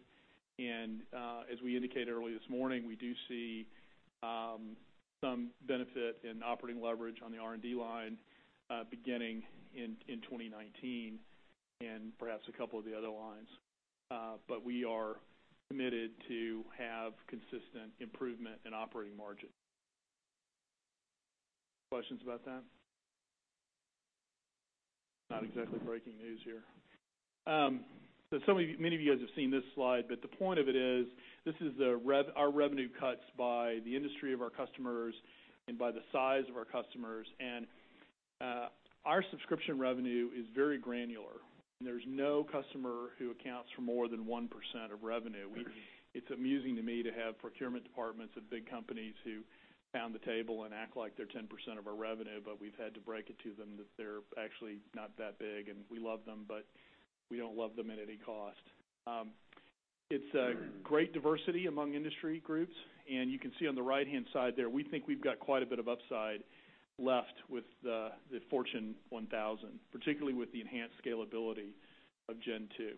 As we indicated earlier this morning, we do see some benefit in operating leverage on the R&D line, beginning in 2019, and perhaps a couple of the other lines. We are committed to have consistent improvement in operating margin. Questions about that? Not exactly breaking news here. Many of you guys have seen this slide, but the point of it is this is our revenue cuts by the industry of our customers and by the size of our customers. Our subscription revenue is very granular, and there's no customer who accounts for more than 1% of revenue. It's amusing to me to have procurement departments of big companies who pound the table and act like they're 10% of our revenue, but we've had to break it to them that they're actually not that big, and we love them, but we don't love them at any cost. It's a great diversity among industry groups, and you can see on the right-hand side there, we think we've got quite a bit of upside left with the Fortune 1000, particularly with the enhanced scalability of Gen2.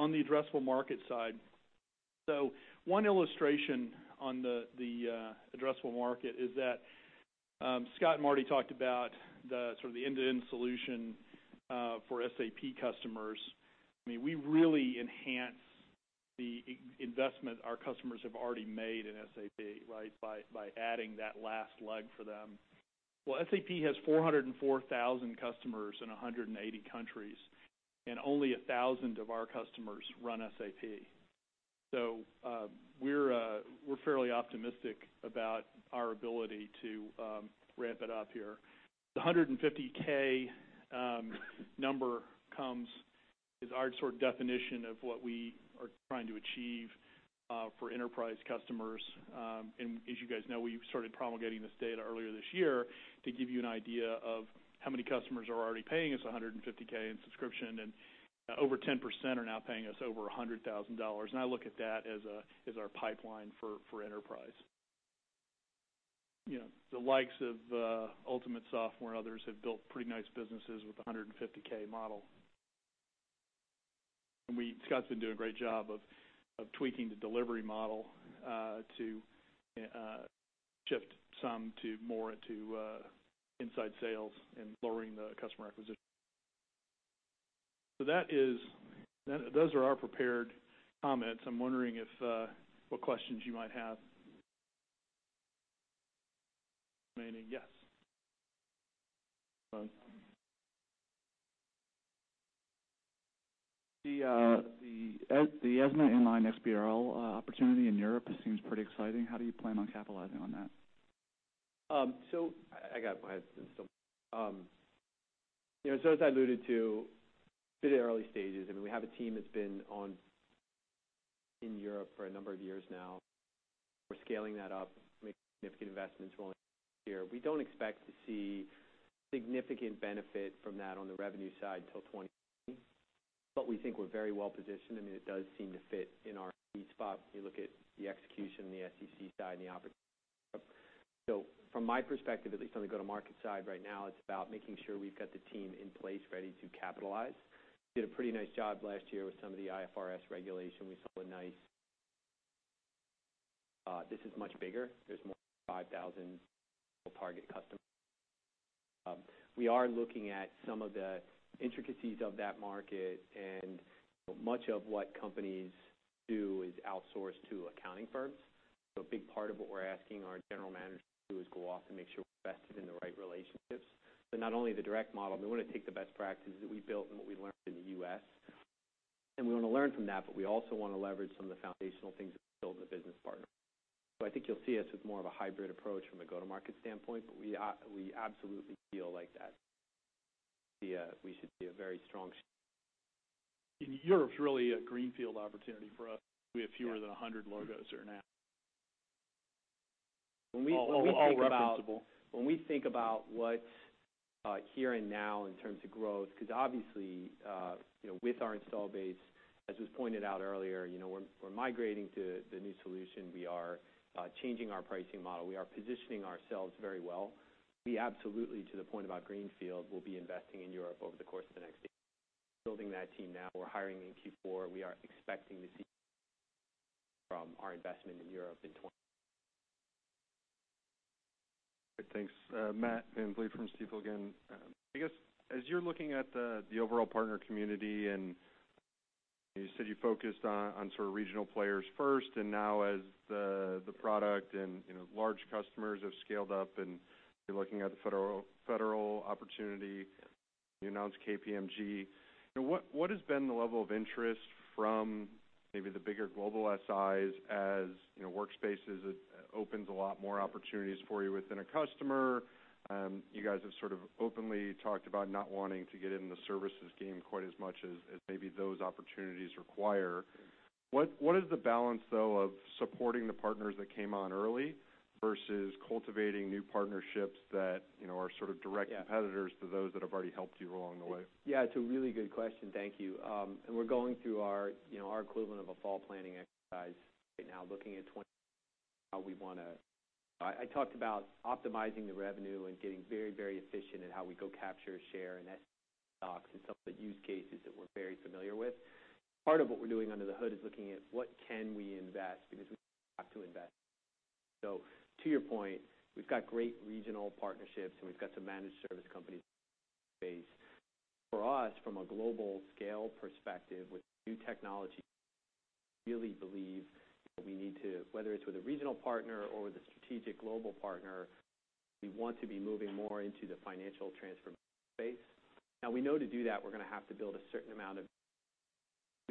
On the addressable market side. One illustration on the addressable market is that Scott and Marty talked about the end-to-end solution for SAP customers. We really enhance the investment our customers have already made in SAP by adding that last leg for them. Well, SAP has 404,000 customers in 180 countries, and only 1,000 of our customers run SAP. We're fairly optimistic about our ability to ramp it up here. The 150K number comes as our definition of what we are trying to achieve for enterprise customers. As you guys know, we started promulgating this data earlier this year to give you an idea of how many customers are already paying us 150K in subscription, and over 10% are now paying us over $100,000. I look at that as our pipeline for enterprise. The likes of Ultimate Software and others have built pretty nice businesses with 150K model. Scott's been doing a great job of tweaking the delivery model to shift some more to inside sales and lowering the customer acquisition. Those are our prepared comments. I'm wondering what questions you might have. Meaning, yes. The ESMA Inline XBRL opportunity in Europe seems pretty exciting. How do you plan on capitalizing on that? Go ahead. As I alluded to, it's early stages. We have a team that's been in Europe for a number of years now. We're scaling that up, making significant investments rolling out here. We don't expect to see significant benefit from that on the revenue side till 2020. We think we're very well positioned. It does seem to fit in our sweet spot when you look at the execution on the SEC side and the opportunity in Europe. From my perspective, at least on the go-to-market side right now, it's about making sure we've got the team in place ready to capitalize. Did a pretty nice job last year with some of the IFRS regulation. This is much bigger. There's more than 5,000 total target customers. We are looking at some of the intricacies of that market. Much of what companies do is outsource to accounting firms. A big part of what we're asking our general manager to do is go off and make sure we're vested in the right relationships. Not only the direct model, we want to take the best practices that we built and what we learned in the U.S., and we want to learn from that, but we also want to leverage some of the foundational things that we build with a business partner. I think you'll see us with more of a hybrid approach from a go-to-market standpoint. We absolutely feel like that we should see a very strong. Europe's really a greenfield opportunity for us. We have fewer than 100 logos there now. When we- All referenceable. When we think about what's here and now in terms of growth, because obviously, with our install base, as was pointed out earlier, we're migrating to the new solution. We are changing our pricing model. We are positioning ourselves very well. We absolutely, to the point about greenfield, will be investing in Europe over the course of the next. Building that team now. We're hiring in Q4. We are expecting to see from our investment in Europe in. Good, thanks. Matt Van Vliet from Stifel again. I guess, as you're looking at the overall partner community, you said you focused on regional players first, and now as the product and large customers have scaled up and you're looking at the federal opportunity, you announced KPMG. What has been the level of interest from maybe the bigger global SIs as Workspaces opens a lot more opportunities for you within a customer? You guys have sort of openly talked about not wanting to get in the services game quite as much as maybe those opportunities require. What is the balance, though, of supporting the partners that came on early versus cultivating new partnerships that are sort of direct competitors to those that have already helped you along the way? Yeah, it's a really good question. Thank you. We're going through our equivalent of a fall planning exercise right now, looking at. I talked about optimizing the revenue and getting very efficient in how we go capture, share, and stocks and some of the use cases that we're very familiar with. Part of what we're doing under the hood is looking at what can we invest because we have to invest. To your point, we've got great regional partnerships, and we've got some managed service companies base. For us, from a global scale perspective with new technology, we really believe we need to, whether it's with a regional partner or with a strategic global partner, we want to be moving more into the financial transformation space. We know to do that. We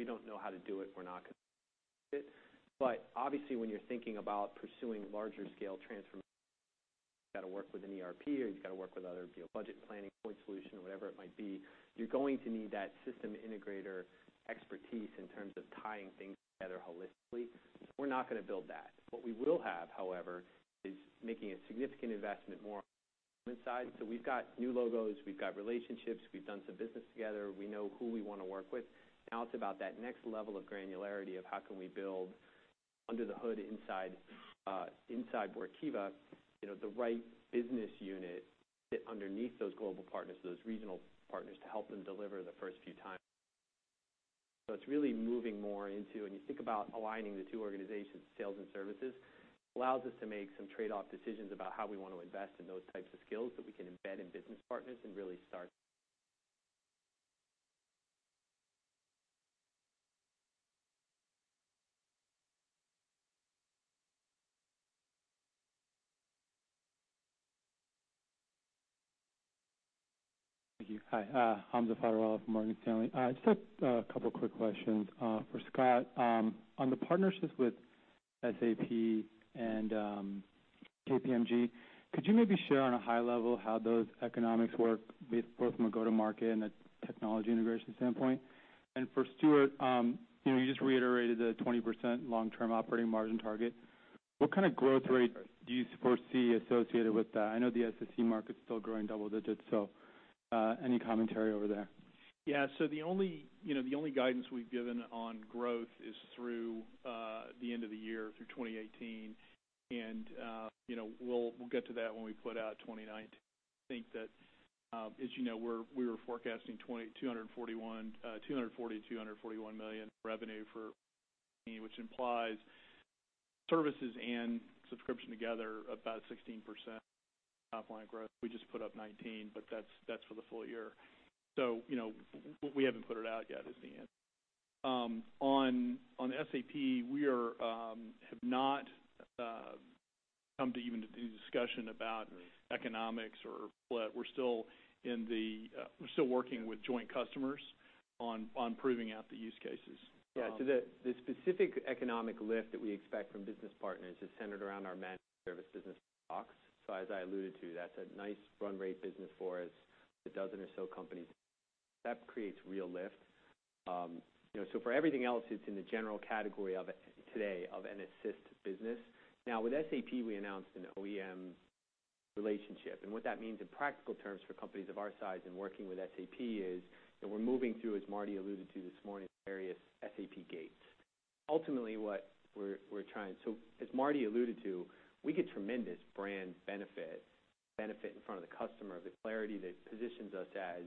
don't know how to do it. We're not going to do it. Obviously, when you're thinking about pursuing larger scale transformation, you've got to work with an ERP, or you've got to work with other budget planning point solution or whatever it might be. You're going to need that system integrator expertise in terms of tying things together holistically. We're not going to build that. What we will have, however, is making a significant investment more inside. We've got new logos, we've got relationships, we've done some business together. We know who we want to work with. Now it's about that next level of granularity of how can we build under the hood inside Workiva, the right business unit to fit underneath those global partners, those regional partners, to help them deliver the first few times. It's really moving more into, when you think about aligning the two organizations, sales and services, allows us to make some trade-off decisions about how we want to invest in those types of skills that we can embed in business partners and really start. Thank you. Hi, Hamza Fodderwala from Morgan Stanley. Just a couple quick questions for Scott. On the partnerships with SAP and KPMG, could you maybe share on a high level how those economics work, both from a go-to-market and a technology integration standpoint? For Stuart, you just reiterated the 20% long-term operating margin target. What kind of growth rate do you foresee associated with that? I know the SSC market's still growing double digits, any commentary over there? The only guidance we've given on growth is through the end of the year, through 2018. We'll get to that when we put out 2019. I think that, as you know, we were forecasting $240 million to $241 million revenue for, which implies services and subscription together about 16% top line growth. We just put up 19%, but that's for the full year. We haven't put it out yet is the answer. On SAP, we have not come to even the discussion about economics or split. We're still working with joint customers on proving out the use cases. The specific economic lift that we expect from business partners is centered around our managed service business box. As I alluded to, that's a nice run rate business for us with a dozen or so companies. That creates real lift. For everything else, it's in the general category today of an assist business. With SAP, we announced an OEM relationship, and what that means in practical terms for companies of our size in working with SAP is that we're moving through, as Marty alluded to this morning, various SAP gates. Ultimately, as Marty alluded to, we get tremendous brand benefit in front of the customer, the clarity that positions us as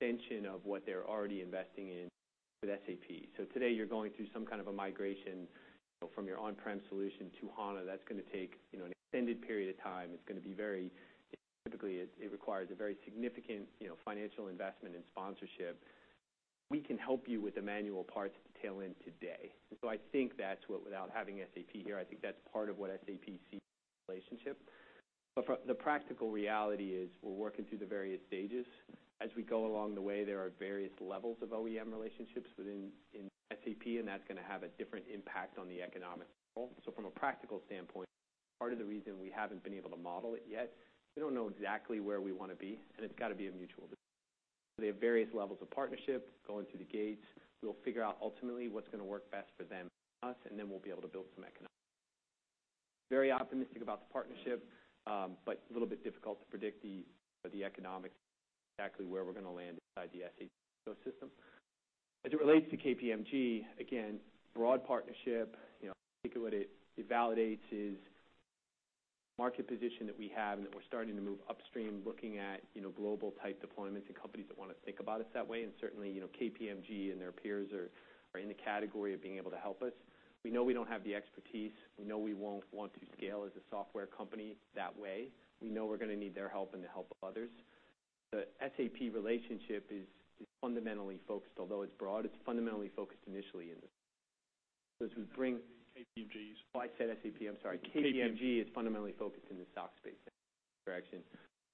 an extension of what they're already investing in with SAP. Today, you're going through some kind of a migration from your on-prem solution to HANA. That's going to take an extended period of time. It's going to be very, typically, it requires a very significant financial investment and sponsorship. We can help you with the manual parts to tail in today. I think that's what, without having SAP here, I think that's part of what SAP sees in the relationship. The practical reality is we're working through the various stages. As we go along the way, there are various levels of OEM relationships within SAP, and that's going to have a different impact on the economic model. From a practical standpoint, part of the reason we haven't been able to model it yet, we don't know exactly where we want to be, and it's got to be a mutual decision. They have various levels of partnership going through the gates. We'll figure out ultimately what's going to work best for them and us, and then we'll be able to build some economics. Very optimistic about the partnership, but a little bit difficult to predict the economics and exactly where we're going to land inside the SAP ecosystem. As it relates to KPMG, again, broad partnership. I think what it validates is market position that we have and that we're starting to move upstream looking at global-type deployments and companies that want to think about us that way. Certainly, KPMG and their peers are in the category of being able to help us. We know we don't have the expertise. We know we won't want to scale as a software company that way. We know we're going to need their help and the help of others. The SAP relationship is fundamentally focused, although it's broad, it's fundamentally focused initially in this. KPMG's. Oh, I said SAP, I'm sorry. KPMG. KPMG is fundamentally focused in the SOC space. Correct.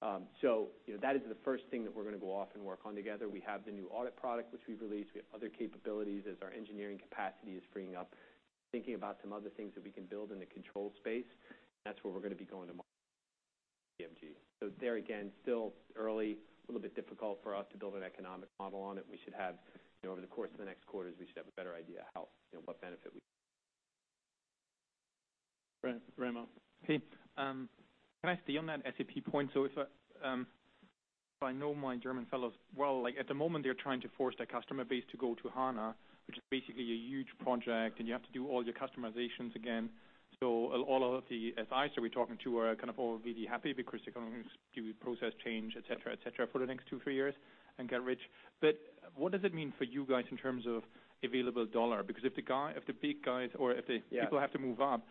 That is the first thing that we're going to go off and work on together. We have the new audit product, which we've released. We have other capabilities as our engineering capacity is freeing up, thinking about some other things that we can build in the control space. That's where we're going to be going to market with KPMG. There again, still early, a little bit difficult for us to build an economic model on it. We should have, over the course of the next quarters, we should have a better idea how, what benefit we Right. Very well. Okay. Can I stay on that SAP point? If I know my German fellows well, at the moment, they're trying to force their customer base to go to HANA, which is basically a huge project, and you have to do all your customizations again. All of the SIs that we're talking to are kind of all really happy because they're going to do process change, et cetera, et cetera, for the next two, three years and get rich. What does it mean for you guys in terms of available dollar? Because if the big guys Yeah people have to move up,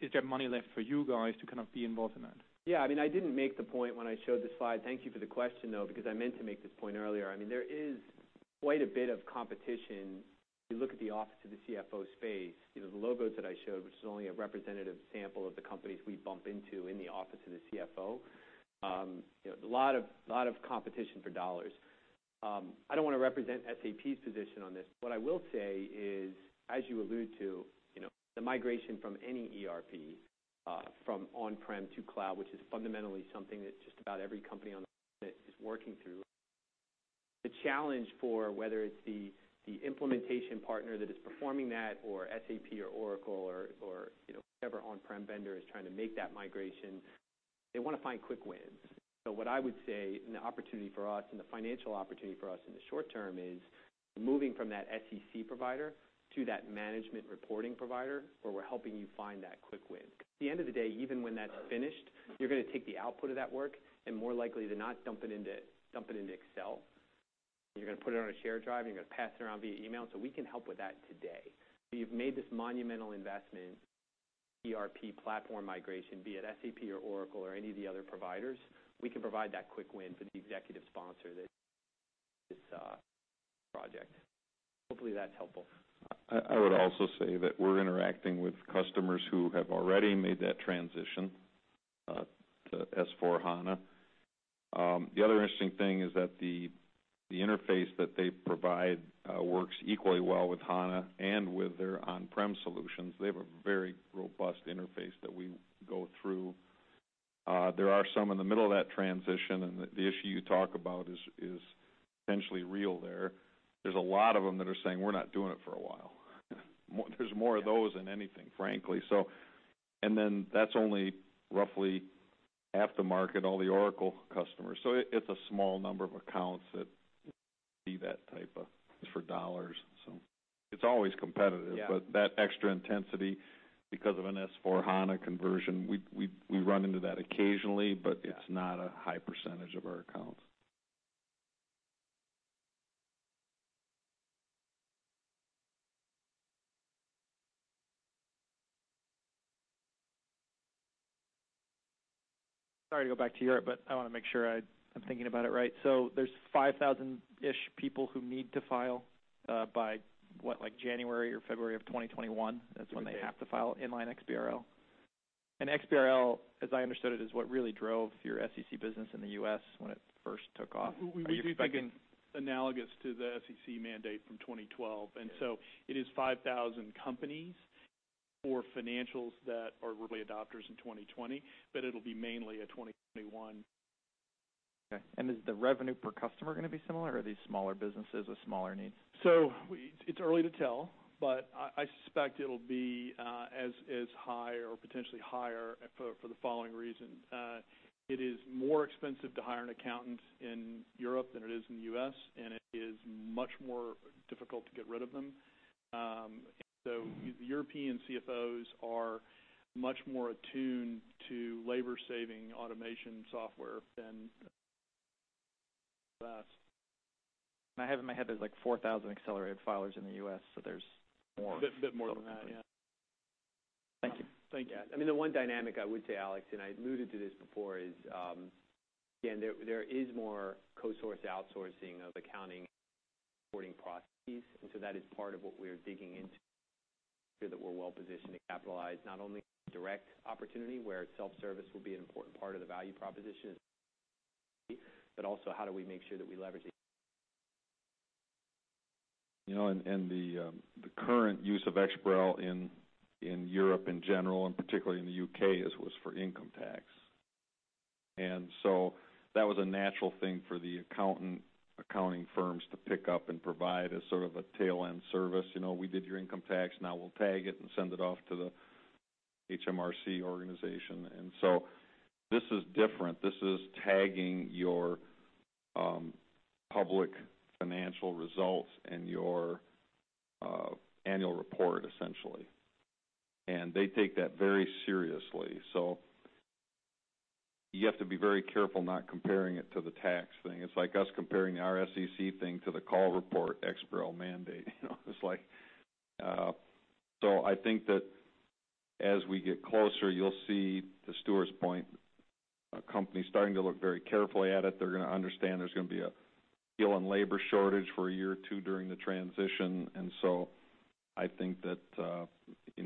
is there money left for you guys to kind of be involved in that? Yeah. I didn't make the point when I showed the slide. Thank you for the question, though, because I meant to make this point earlier. There is quite a bit of competition. You look at the office of the CFO space, the logos that I showed, which is only a representative sample of the companies we bump into in the office of the CFO. A lot of competition for dollars. I don't want to represent SAP's position on this. What I will say is, as you allude to, the migration from any ERP, from on-prem to cloud, which is fundamentally something that just about every company on the planet is working through. The challenge for whether it's the implementation partner that is performing that or SAP or Oracle or whichever on-prem vendor is trying to make that migration, they want to find quick wins. What I would say, and the opportunity for us, and the financial opportunity for us in the short term, is moving from that SEC provider to that management reporting provider, where we're helping you find that quick win. Because at the end of the day, even when that's finished, you're going to take the output of that work and more likely than not dump it into Excel, and you're going to put it on a shared drive, and you're going to pass it around via email. We can help with that today. You've made this monumental investment, ERP platform migration, be it SAP or Oracle or any of the other providers, we can provide that quick win for the executive sponsor that This project. Hopefully, that's helpful. I would also say that we're interacting with customers who have already made that transition to S/4HANA. The other interesting thing is that the interface that they provide works equally well with HANA and with their on-prem solutions. They have a very robust interface that we go through. There are some in the middle of that transition, and the issue you talk about is potentially real there. There's a lot of them that are saying, "We're not doing it for a while." There's more of those than anything, frankly. That's only roughly half the market, all the Oracle customers. It's a small number of accounts that see. For dollars. It's always competitive. Yeah. That extra intensity because of an S/4HANA conversion, we run into that occasionally. Yeah it's not a high % of our accounts. Sorry to go back to Europe, I want to make sure I'm thinking about it right. There's 5,000-ish people who need to file by what, like January or February of 2021? That's right. That's when they have to file Inline XBRL. XBRL, as I understood it, is what really drove your SEC business in the U.S. when it first took off. Are you expecting? We think analogous to the SEC mandate from 2012. It is 5,000 companies for financials that are really adopters in 2020, but it'll be mainly a 2021. Okay. Is the revenue per customer going to be similar, or are these smaller businesses with smaller needs? It's early to tell, but I suspect it'll be as high or potentially higher for the following reason. It is more expensive to hire an accountant in Europe than it is in the U.S., and it is much more difficult to get rid of them. The European CFOs are much more attuned to labor-saving automation software than U.S. I have in my head there's like 4,000 accelerated filers in the U.S., there's more. A bit more than that, yeah. Thank you. Thank you. Yeah. The one dynamic I would say, Alex, and I alluded to this before, is, again, there is more co-source outsourcing of accounting reporting processes. That is part of what we're digging into, that we're well-positioned to capitalize not only on the direct opportunity, where self-service will be an important part of the value proposition, but also how do we make sure that we leverage. The current use of XBRL in Europe in general, and particularly in the U.K., is, was for income tax. That was a natural thing for the accountant, accounting firms to pick up and provide as sort of a tail-end service. "We did your income tax, now we'll tag it and send it off to the HMRC organization." This is different. This is tagging your public financial results and your annual report, essentially. They take that very seriously. You have to be very careful not comparing it to the tax thing. It's like us comparing our SEC thing to the call report XBRL mandate. I think that as we get closer, you'll see to Stuart's point, companies starting to look very carefully at it. They're going to understand there's going to be a skill and labor shortage for a year or two during the transition. I think that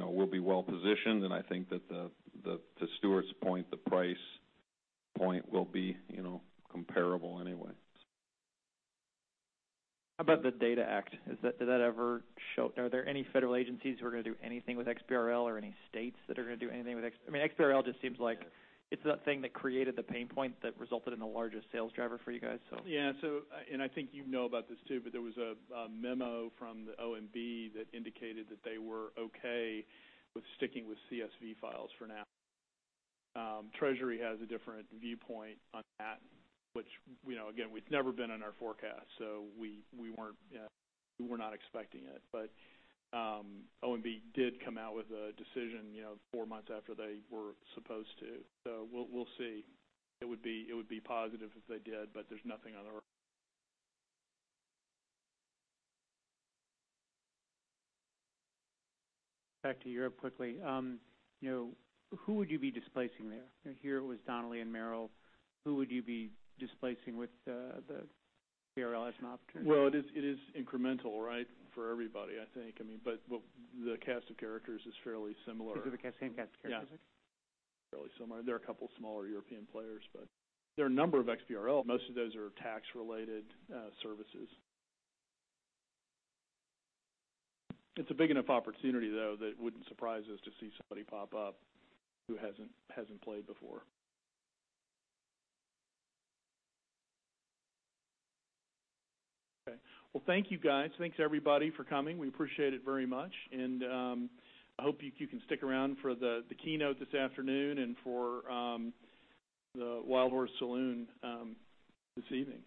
we'll be well-positioned, and I think that to Stuart's point, the price point will be comparable anyway. How about the DATA Act? Are there any federal agencies who are going to do anything with XBRL or any states that are going to do anything with XBRL just seems like it's that thing that created the pain point that resulted in the largest sales driver for you guys, so. Yeah, I think you know about this too, but there was a memo from the OMB that indicated that they were okay with sticking with CSV files for now. Treasury has a different viewpoint on that, which, again, we've never been in our forecast, we were not expecting it. OMB did come out with a decision four months after they were supposed to. We'll see. It would be positive if they did, there's nothing on the Back to Europe quickly. Who would you be displacing there? Here it was Donnelley and Merrill. Who would you be displacing with the XBRL as an opportunity? Well, it is incremental, right, for everybody, I think. The cast of characters is fairly similar. Is it the same cast of characters? Yeah. Fairly similar. There are a couple smaller European players. There are a number of XBRL. Most of those are tax-related services. It's a big enough opportunity, though, that it wouldn't surprise us to see somebody pop up who hasn't played before. Okay. Well, thank you, guys. Thanks, everybody, for coming. We appreciate it very much. I hope you can stick around for the keynote this afternoon and for the Wildhorse Saloon this evening.